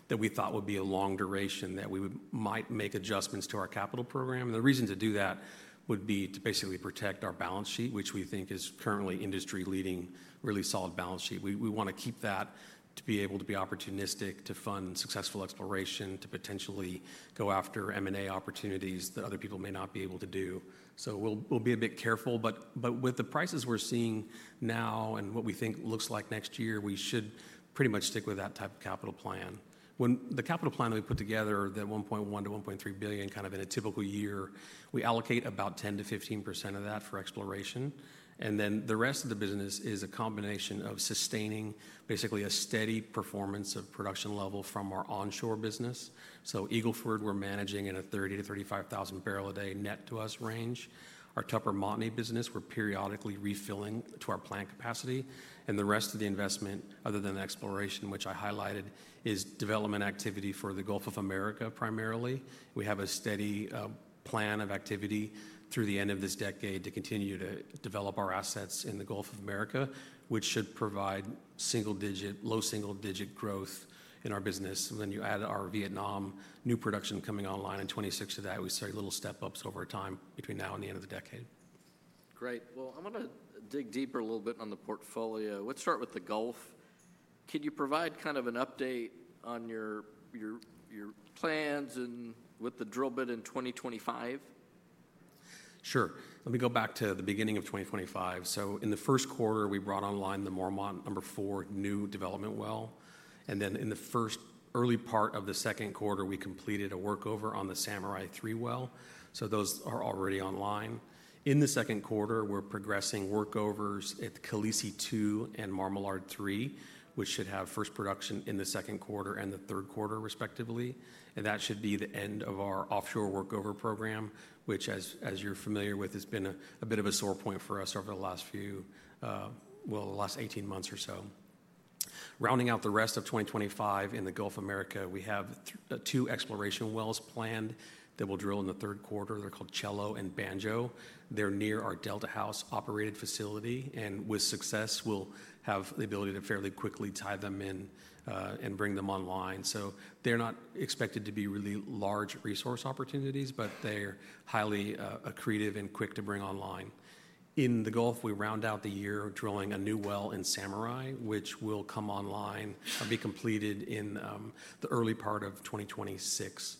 that we thought would be a long duration, that we might make adjustments to our capital program. The reason to do that would be to basically protect our balance sheet, which we think is currently industry-leading, really solid balance sheet. We want to keep that to be able to be opportunistic to fund successful exploration, to potentially go after M&A opportunities that other people may not be able to do. We'll be a bit careful. With the prices we're seeing now and what we think looks like next year, we should pretty much stick with that type of capital plan. When the capital plan we put together, that $1.1 billion-$1.3 billion kind of in a typical year, we allocate about 10%-15% of that for exploration. The rest of the business is a combination of sustaining basically a steady performance of production level from our onshore business. Eagle Ford, we're managing in a 30,000-35,000 barrel a day net to us range. Our Tupper Montney business, we're periodically refilling to our plant capacity. The rest of the investment, other than the exploration, which I highlighted, is development activity for the Gulf of Mexico primarily. We have a steady plan of activity through the end of this decade to continue to develop our assets in the Gulf of Mexico, which should provide single-digit, low single-digit growth in our business. You add our Vietnam new production coming online in 2026 to that, we start little step-ups over time between now and the end of the decade. Great. I want to dig deeper a little bit on the portfolio. Let's start with the Gulf. Can you provide kind of an update on your plans and with the drill bit in 2025? Sure. Let me go back to the beginning of 2025. In the first quarter, we brought online the Mormont number four new development well. In the first early part of the second quarter, we completed a workover on the Samurai #3 well. Those are already online. In the second quarter, we are progressing workovers at the Khalisi #2 and Marmalard #3, which should have first production in the second quarter and the third quarter, respectively. That should be the end of our offshore workover program, which, as you are familiar with, has been a bit of a sore point for us over the last few, well, the last 18 months or so. Rounding out the rest of 2025 in the Gulf of Mexico, we have two exploration wells planned that we will drill in the third quarter. They are called Cello and Banjo. They're near our Delta House operated facility. With success, we'll have the ability to fairly quickly tie them in and bring them online. They're not expected to be really large resource opportunities, but they're highly accretive and quick to bring online. In the Gulf, we round out the year drilling a new well in Samurai, which will come online and be completed in the early part of 2026.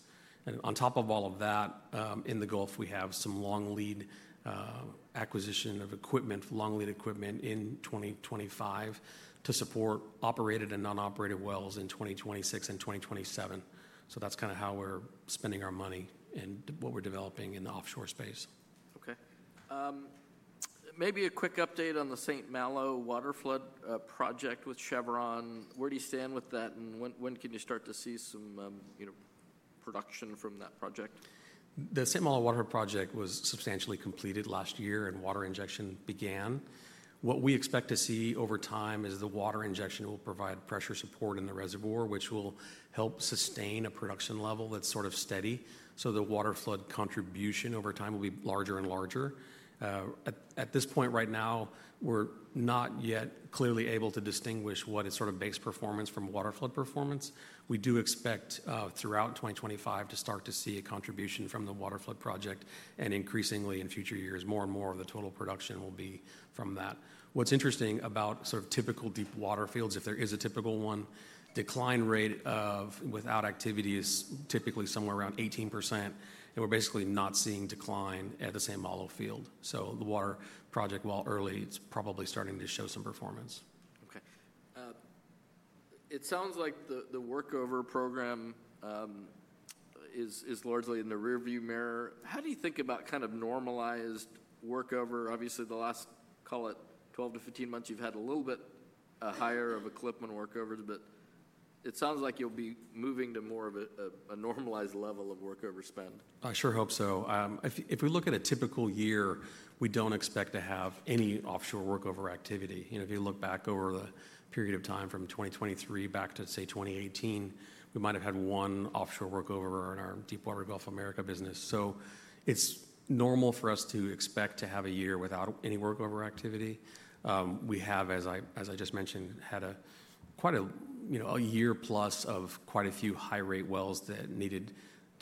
On top of all of that, in the Gulf, we have some long lead acquisition of equipment, long lead equipment in 2025 to support operated and non-operated wells in 2026 and 2027. That's kind of how we're spending our money and what we're developing in the offshore space. Okay. Maybe a quick update on the St. Malo water flood project with Chevron. Where do you stand with that? When can you start to see some production from that project? The St. Malo water project was substantially completed last year and water injection began. What we expect to see over time is the water injection will provide pressure support in the reservoir, which will help sustain a production level that's sort of steady. The water flood contribution over time will be larger and larger. At this point right now, we're not yet clearly able to distinguish what is sort of base performance from water flood performance. We do expect throughout 2025 to start to see a contribution from the water flood project and increasingly in future years, more and more of the total production will be from that. What's interesting about sort of typical deep water fields, if there is a typical one, decline rate of without activity is typically somewhere around 18%. We're basically not seeing decline at the St. Malo field. The water project, while early, it's probably starting to show some performance. Okay. It sounds like the workover program is largely in the rearview mirror. How do you think about kind of normalized workover? Obviously, the last, call it 12 months -15 months, you've had a little bit higher of equipment workovers, but it sounds like you'll be moving to more of a normalized level of workover spend. I sure hope so. If we look at a typical year, we do not expect to have any offshore workover activity. If you look back over the period of time from 2023 back to say 2018, we might have had one offshore workover in our deepwater Gulf of Mexico business. It is normal for us to expect to have a year without any workover activity. We have, as I just mentioned, had quite a year plus of quite a few high-rate wells that needed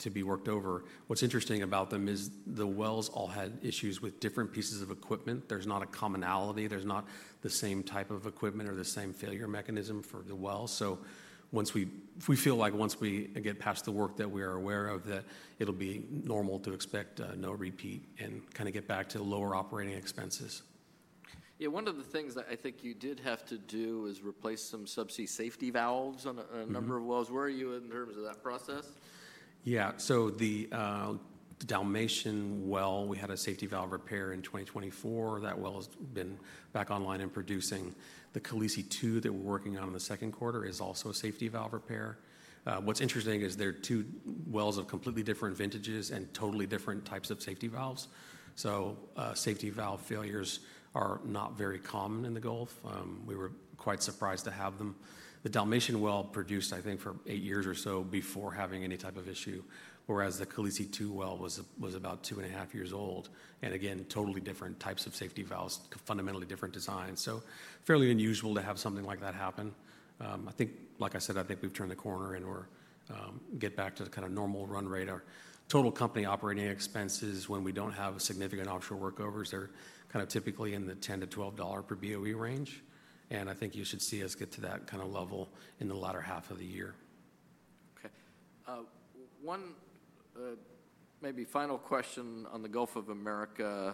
to be worked over. What is interesting about them is the wells all had issues with different pieces of equipment. There is not a commonality. There is not the same type of equipment or the same failure mechanism for the well. We feel like once we get past the work that we are aware of, that it'll be normal to expect no repeat and kind of get back to lower operating expenses. Yeah. One of the things that I think you did have to do is replace some subsea safety valves on a number of wells. Where are you in terms of that process? Yeah. The Dalmatian well, we had a safety valve repair in 2024. That well has been back online and producing. The Khalisi #2 that we're working on in the second quarter is also a safety valve repair. What's interesting is there are two wells of completely different vintages and totally different types of safety valves. Safety valve failures are not very common in the Gulf. We were quite surprised to have them. The Dalmatian well produced, I think, for eight years or so before having any type of issue, whereas the Khalisi #2 well was about two and a half years old. Again, totally different types of safety valves, fundamentally different designs. Fairly unusual to have something like that happen. I think, like I said, I think we've turned the corner and we're getting back to kind of normal run rate. Our total company operating expenses, when we do not have significant offshore workovers, they are kind of typically in the $10-$12 per BOE range. I think you should see us get to that kind of level in the latter half of the year. Okay. One maybe final question on the Gulf of Mexico.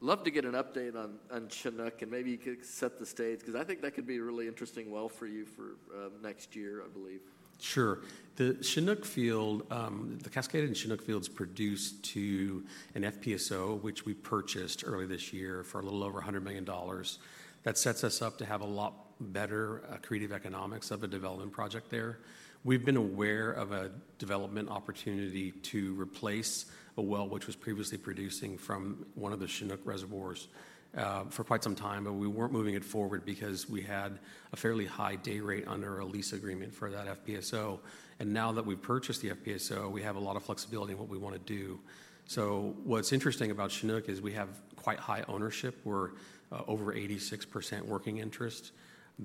I'd love to get an update on Chinook and maybe you could set the stage because I think that could be a really interesting well for you for next year, I believe. Sure. The Chinook field, the Cascade and Chinook fields produce to an FPSO, which we purchased early this year for a little over $100 million. That sets us up to have a lot better creative economics of a development project there. We've been aware of a development opportunity to replace a well, which was previously producing from one of the Chinook reservoirs for quite some time, but we weren't moving it forward because we had a fairly high day rate under a lease agreement for that FPSO. Now that we've purchased the FPSO, we have a lot of flexibility in what we want to do. What's interesting about Chinook is we have quite high ownership. We're over 86% working interest.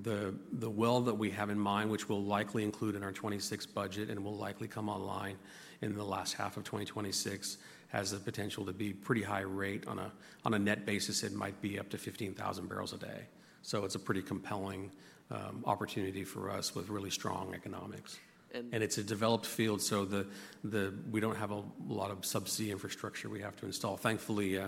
The well that we have in mind, which we'll likely include in our 2026 budget and will likely come online in the last half of 2026, has the potential to be pretty high rate on a net basis. It might be up to 15,000 barrels a day. It is a pretty compelling opportunity for us with really strong economics. It is a developed field, so we do not have a lot of subsea infrastructure we have to install. Thankfully,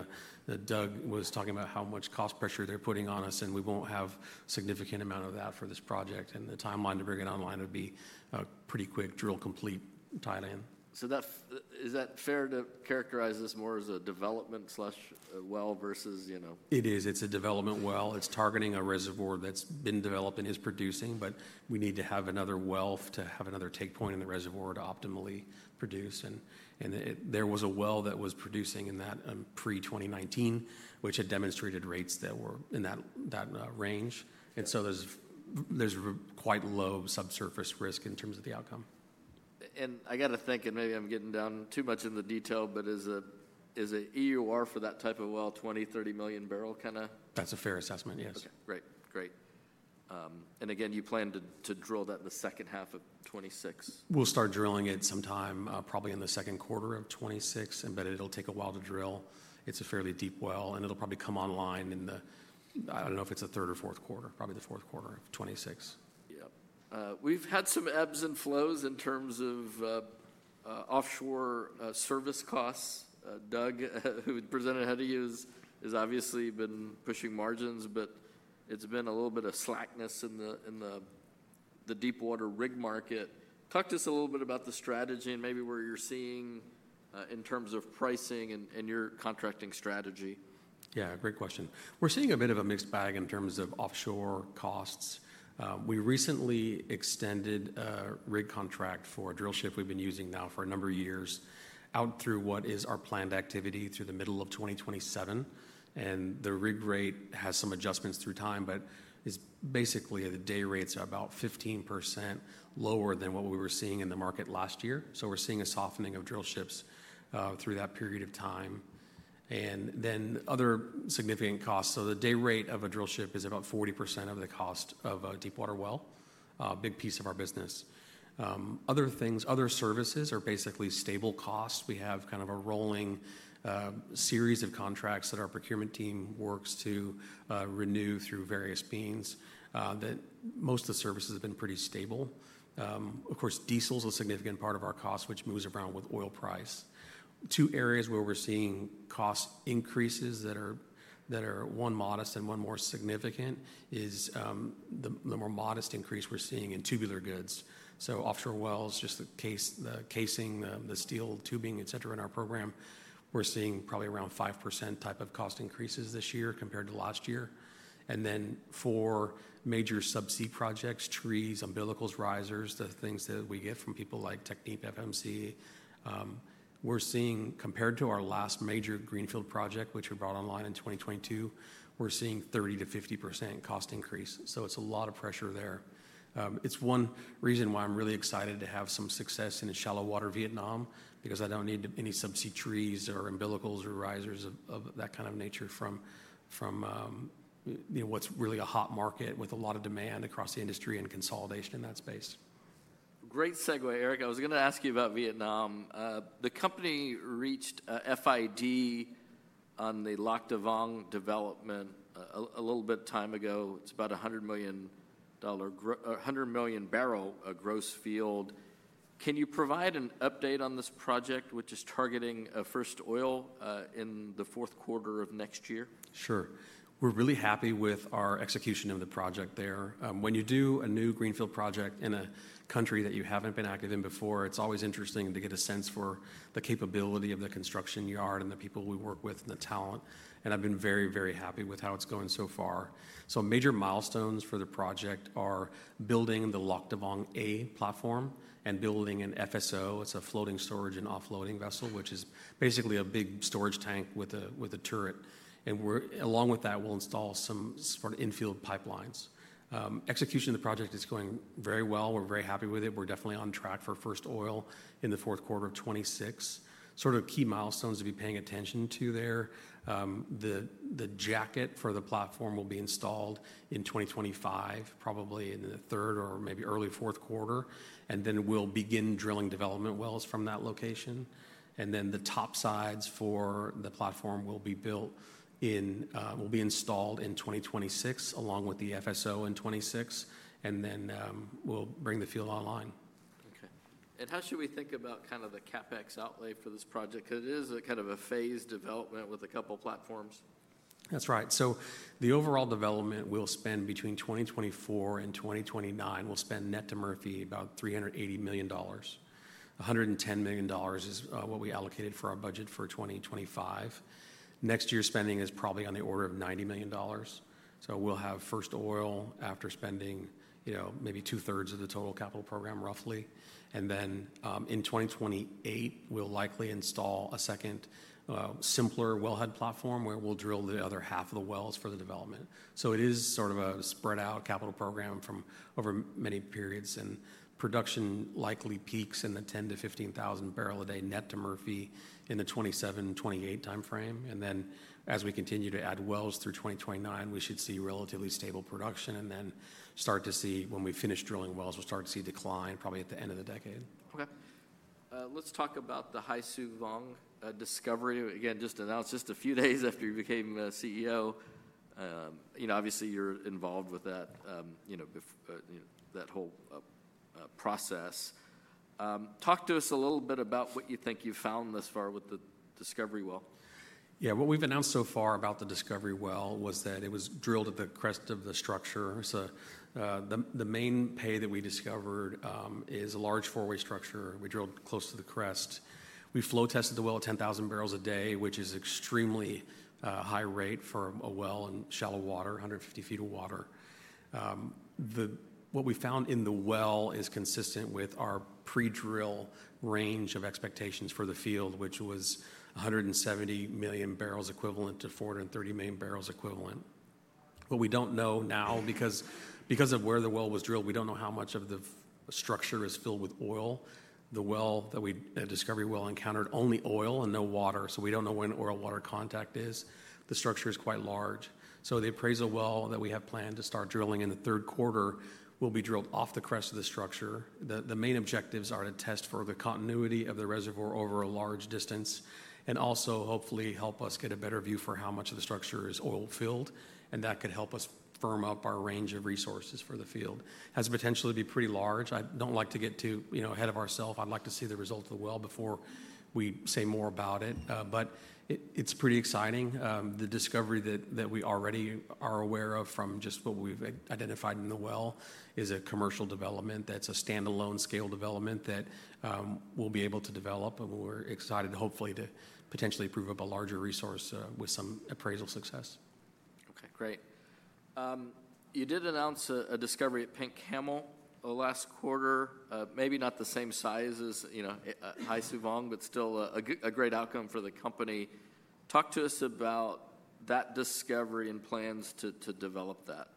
Doug was talking about how much cost pressure they are putting on us, and we will not have a significant amount of that for this project. The timeline to bring it online would be a pretty quick drill complete tied in. Is that fair to characterize this more as a development slash well versus? It is. It's a development well. It's targeting a reservoir that's been developed and is producing, but we need to have another well to have another take point in the reservoir to optimally produce. There was a well that was producing in that pre-2019, which had demonstrated rates that were in that range. There is quite low subsurface risk in terms of the outcome. I got to think, and maybe I'm getting down too much in the detail, but is an EUR for that type of well, $20 million-$30 million barrel kind of. That's a fair assessment, yes. Okay. Great. Great. Again, you plan to drill that in the second half of 2026? We'll start drilling it sometime probably in the second quarter of 2026, but it'll take a while to drill. It's a fairly deep well, and it'll probably come online in the, I don't know if it's the third or fourth quarter, probably the fourth quarter of 2026. Yep. We've had some ebbs and flows in terms of offshore service costs. Doug, who presented how to use, has obviously been pushing margins, but there's been a little bit of slackness in the deepwater rig market. Talk to us a little bit about the strategy and maybe where you're seeing in terms of pricing and your contracting strategy. Yeah, great question. We're seeing a bit of a mixed bag in terms of offshore costs. We recently extended a rig contract for a drill ship we've been using now for a number of years out through what is our planned activity through the middle of 2027. The rig rate has some adjustments through time, but it's basically the day rates are about 15% lower than what we were seeing in the market last year. We are seeing a softening of drill ships through that period of time. Other significant costs, the day rate of a drill ship is about 40% of the cost of a deep water well, a big piece of our business. Other things, other services are basically stable costs. We have kind of a rolling series of contracts that our procurement team works to renew through various means that most of the services have been pretty stable. Of course, diesel is a significant part of our cost, which moves around with oil price. Two areas where we're seeing cost increases that are one modest and one more significant is the more modest increase we're seeing in tubular goods. So offshore wells, just the casing, the steel tubing, etc. in our program, we're seeing probably around 5% type of cost increases this year compared to last year. And then for major subsea projects, trees, umbilicals, risers, the things that we get from people like TechnipFMC, we're seeing compared to our last major greenfield project, which we brought online in 2022, we're seeing 30%-50% cost increase. It's a lot of pressure there. It's one reason why I'm really excited to have some success in a shallow water Vietnam because I don't need any subsea trees or umbilicals or risers of that kind of nature from what's really a hot market with a lot of demand across the industry and consolidation in that space. Great segue, Eric. I was going to ask you about Vietnam. The company reached FID on the Lac Da Vang development a little bit of time ago. It's about a 100 million barrel gross field. Can you provide an update on this project, which is targeting a first oil in the fourth quarter of next year? Sure. We're really happy with our execution of the project there. When you do a new greenfield project in a country that you haven't been active in before, it's always interesting to get a sense for the capability of the construction yard and the people we work with and the talent. I've been very, very happy with how it's going so far. Major milestones for the project are building the Lac Da Vang A platform and building an FSO. It's a floating storage and offloading vessel, which is basically a big storage tank with a turret. Along with that, we'll install some sort of infield pipelines. Execution of the project is going very well. We're very happy with it. We're definitely on track for first oil in the fourth quarter of 2026. Sort of key milestones to be paying attention to there. The jacket for the platform will be installed in 2025, probably in the third or maybe early fourth quarter. We will begin drilling development wells from that location. The top sides for the platform will be built in, will be installed in 2026 along with the FSO in 2026. We will bring the field online. Okay. How should we think about kind of the CapEx outlay for this project? Because it is kind of a phased development with a couple of platforms. That's right. The overall development will spend between 2024 and 2029, we'll spend net to Murphy about $380 million. $110 million is what we allocated for our budget for 2025. Next year's spending is probably on the order of $90 million. We'll have first oil after spending maybe two-thirds of the total capital program roughly. In 2028, we'll likely install a second, simpler wellhead platform where we'll drill the other half of the wells for the development. It is sort of a spread out capital program from over many periods. Production likely peaks in the 10,000-15,000 barrel a day net to Murphy in the 2027-2028 timeframe. As we continue to add wells through 2029, we should see relatively stable production. We start to see when we finish drilling wells, we'll start to see decline probably at the end of the decade. Okay. Let's talk about the Hai Su Vong discovery. Again, just announced just a few days after you became CEO. Obviously, you're involved with that whole process. Talk to us a little bit about what you think you've found thus far with the discovery well. Yeah. What we've announced so far about the discovery well was that it was drilled at the crest of the structure. The main pay that we discovered is a large four-way structure. We drilled close to the crest. We flow tested the well at 10,000 barrels a day, which is an extremely high rate for a well in shallow water, 150 ft of water. What we found in the well is consistent with our pre-drill range of expectations for the field, which was 170 million barrels equivalent to 430 million barrels equivalent. What we do not know now because of where the well was drilled, we do not know how much of the structure is filled with oil. The discovery well encountered only oil and no water. We do not know where oil-water contact is. The structure is quite large. The appraisal well that we have planned to start drilling in the third quarter will be drilled off the crest of the structure. The main objectives are to test for the continuity of the reservoir over a large distance and also hopefully help us get a better view for how much of the structure is oil-filled. That could help us firm up our range of resources for the field. It has potentially to be pretty large. I do not like to get too ahead of ourself. I would like to see the result of the well before we say more about it. It is pretty exciting. The discovery that we already are aware of from just what we have identified in the well is a commercial development. That is a standalone scale development that we will be able to develop. We're excited, hopefully, to potentially prove up a larger resource with some appraisal success. Okay. Great. You did announce a discovery at Pink Camel last quarter, maybe not the same size as Hai Su Vong, but still a great outcome for the company. Talk to us about that discovery and plans to develop that.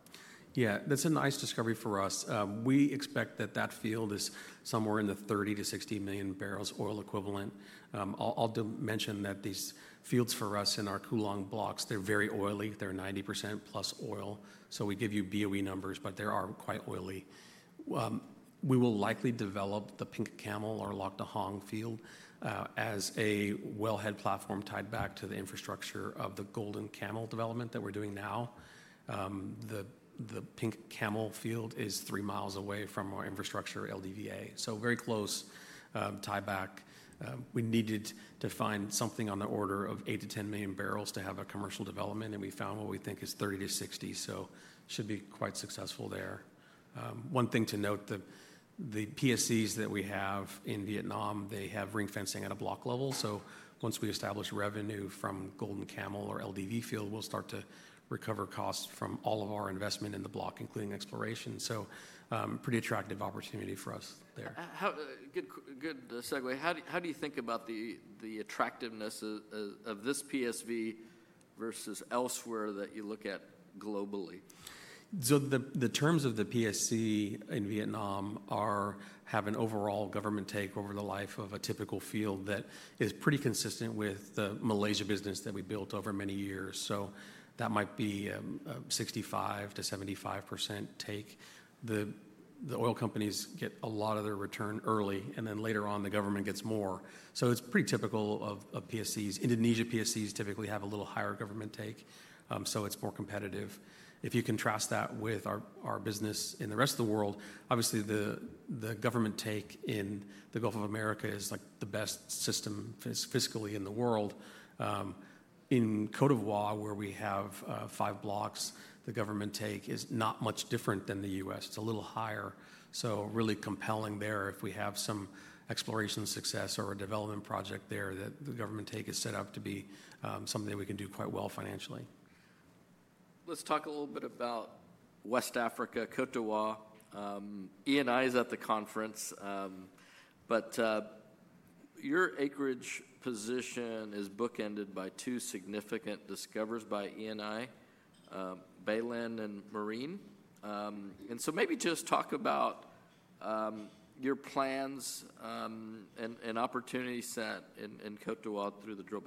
Yeah. That's a nice discovery for us. We expect that that field is somewhere in the 30 million -60 million barrels oil equivalent. I'll mention that these fields for us in our Cooling blocks, they're very oily. They're 90% plus oil. So we give you BOE numbers, but they are quite oily. We will likely develop the Pink Camel or Lac de Hang field as a wellhead platform tied back to the infrastructure of the Golden Camel development that we're doing now. The Pink Camel field is three miles away from our infrastructure LDVA. So very close tie back. We needed to find something on the order of 8 million -10 million barrels to have a commercial development. And we found what we think is 30 million-60 million. So it should be quite successful there. One thing to note, the PSCs that we have in Vietnam, they have ring fencing at a block level. Once we establish revenue from Golden Camel or LDV field, we'll start to recover costs from all of our investment in the block, including exploration. Pretty attractive opportunity for us there. Good segue. How do you think about the attractiveness of this PSC versus elsewhere that you look at globally? The terms of the PSC in Vietnam have an overall government take over the life of a typical field that is pretty consistent with the Malaysia business that we built over many years. That might be a 65%-75% take. The oil companies get a lot of their return early, and then later on, the government gets more. It is pretty typical of PSCs. Indonesia PSCs typically have a little higher government take. It is more competitive. If you contrast that with our business in the rest of the world, obviously the government take in the Gulf of Mexico is the best system fiscally in the world. In Côte d'Ivoire, where we have five blocks, the government take is not much different than the U.S. It is a little higher. Really compelling there if we have some exploration success or a development project there that the government take is set up to be something that we can do quite well financially. Let's talk a little bit about West Africa, Côte d'Ivoire. Eni is at the conference, but your acreage position is bookended by two significant discoveries by Eni, Baleine and Marine. Maybe just talk about your plans and opportunity set in Côte d'Ivoire through the drill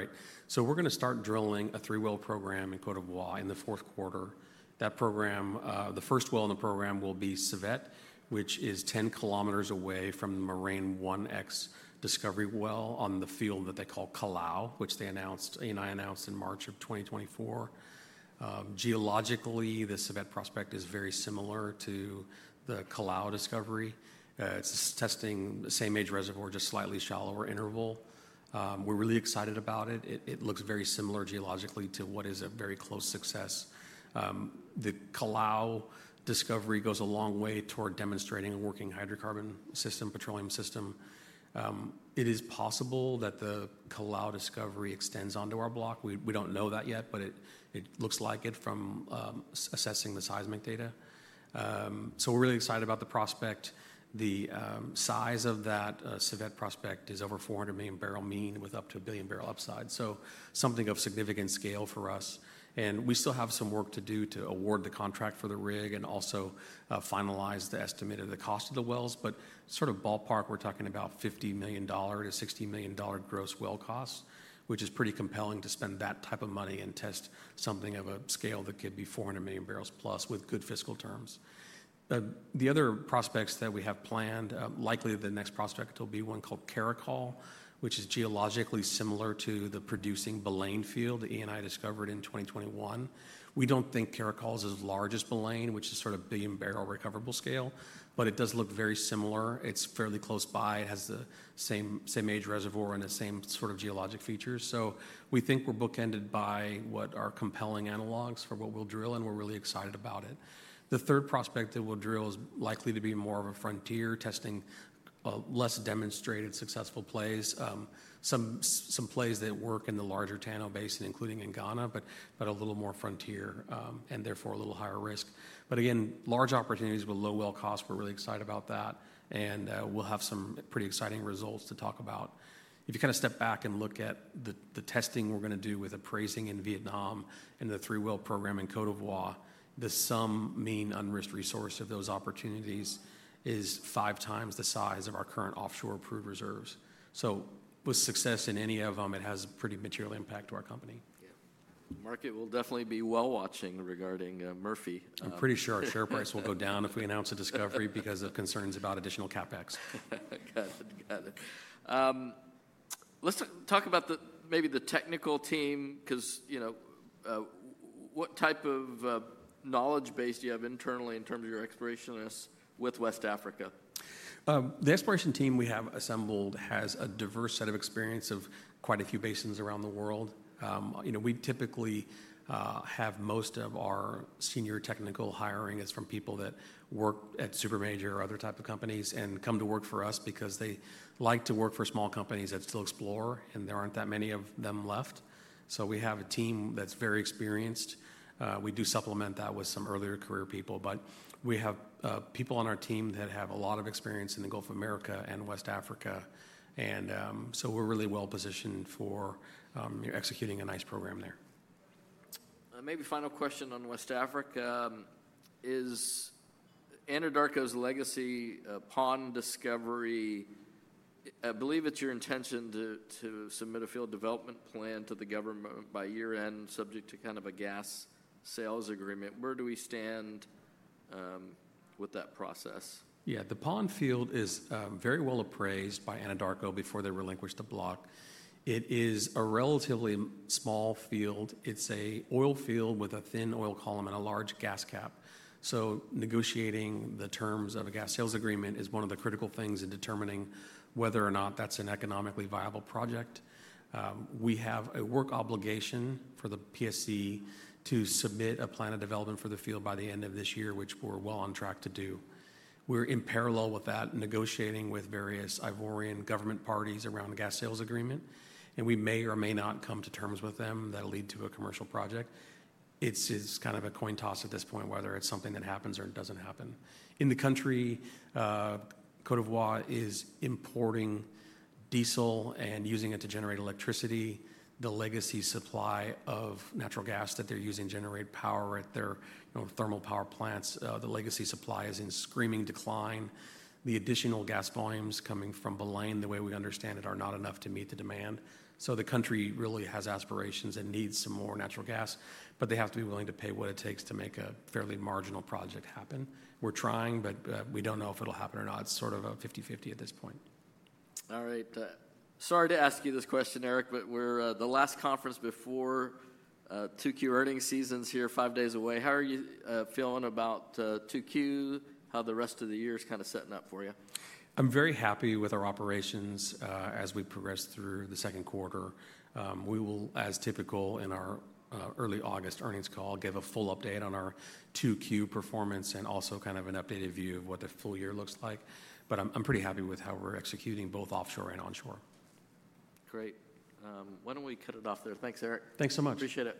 bit. Great. We're going to start drilling a three-well program in Côte d'Ivoire in the fourth quarter. That program, the first well in the program will be Cevette, which is 10 kilometers away from the Marine One X discovery well on the field that they call Calao, which they announced, Eni announced in March of 2024. Geologically, the Cevette prospect is very similar to the Calao discovery. It's testing the same age reservoir, just slightly shallower interval. We're really excited about it. It looks very similar geologically to what is a very close success. The Calao discovery goes a long way toward demonstrating a working hydrocarbon system, petroleum system. It is possible that the Calao discovery extends onto our block. We don't know that yet, but it looks like it from assessing the seismic data. We're really excited about the prospect. The size of that Cevette prospect is over 400 million barrel mean with up to a billion barrel upside. Something of significant scale for us. We still have some work to do to award the contract for the rig and also finalize the estimate of the cost of the wells. Sort of ballpark, we're talking about $50 million-$60 million gross well costs, which is pretty compelling to spend that type of money and test something of a scale that could be 400 million barrels plus with good fiscal terms. The other prospects that we have planned, likely the next prospect will be one called Caracal, which is geologically similar to the producing Baleine field that Eni discovered in 2021. We do not think Caracal is as large as Baleine, which is sort of a billion barrel recoverable scale, but it does look very similar. It's fairly close by. It has the same age reservoir and the same sort of geologic features. We think we're bookended by what are compelling analogs for what we'll drill, and we're really excited about it. The third prospect that we'll drill is likely to be more of a frontier testing, less demonstrated successful plays, some plays that work in the larger Tano basin, including in Ghana, but a little more frontier and therefore a little higher risk. Again, large opportunities with low well costs. We're really excited about that. We'll have some pretty exciting results to talk about. If you kind of step back and look at the testing we're going to do with appraising in Vietnam and the three-well program in Côte d'Ivoire, the sum mean unrisked resource of those opportunities is five times the size of our current offshore approved reserves. With success in any of them, it has a pretty material impact to our company. Yeah. Market will definitely be well watching regarding Murphy. I'm pretty sure our share price will go down if we announce a discovery because of concerns about additional CapEx. Got it. Got it. Let's talk about maybe the technical team because what type of knowledge base do you have internally in terms of your explorationists with West Africa? The exploration team we have assembled has a diverse set of experience of quite a few basins around the world. We typically have most of our senior technical hiring is from people that work at super major or other types of companies and come to work for us because they like to work for small companies that still explore, and there aren't that many of them left. We have a team that's very experienced. We do supplement that with some earlier career people, but we have people on our team that have a lot of experience in the Gulf of Mexico and West Africa. We are really well positioned for executing a nice program there. Maybe final question on West Africa is Anadarko's legacy pond discovery. I believe it's your intention to submit a field development plan to the government by year-end, subject to kind of a gas sales agreement. Where do we stand with that process? Yeah. The pond field is very well appraised by Anadarko before they relinquished the block. It is a relatively small field. It's an oil field with a thin oil column and a large gas cap. Negotiating the terms of a gas sales agreement is one of the critical things in determining whether or not that's an economically viable project. We have a work obligation for the PSC to submit a plan of development for the field by the end of this year, which we're well on track to do. In parallel with that, we're negotiating with various Ivorian government parties around a gas sales agreement. We may or may not come to terms with them that will lead to a commercial project. It's kind of a coin toss at this point, whether it's something that happens or it doesn't happen. In the country, Côte d'Ivoire is importing diesel and using it to generate electricity. The legacy supply of natural gas that they're using to generate power at their thermal power plants, the legacy supply is in screaming decline. The additional gas volumes coming from Baleine, the way we understand it, are not enough to meet the demand. So the country really has aspirations and needs some more natural gas, but they have to be willing to pay what it takes to make a fairly marginal project happen. We're trying, but we don't know if it'll happen or not. It's sort of a 50/50 at this point. All right. Sorry to ask you this question, Eric, but we're the last conference before 2Q earnings season is here, five days away. How are you feeling about 2Q, how the rest of the year is kind of setting up for you? I'm very happy with our operations as we progress through the second quarter. We will, as typical in our early August earnings call, give a full update on our 2Q performance and also kind of an updated view of what the full year looks like. I'm pretty happy with how we're executing both offshore and onshore. Great. Why don't we cut it off there? Thanks, Eric. Thanks so much. Appreciate it.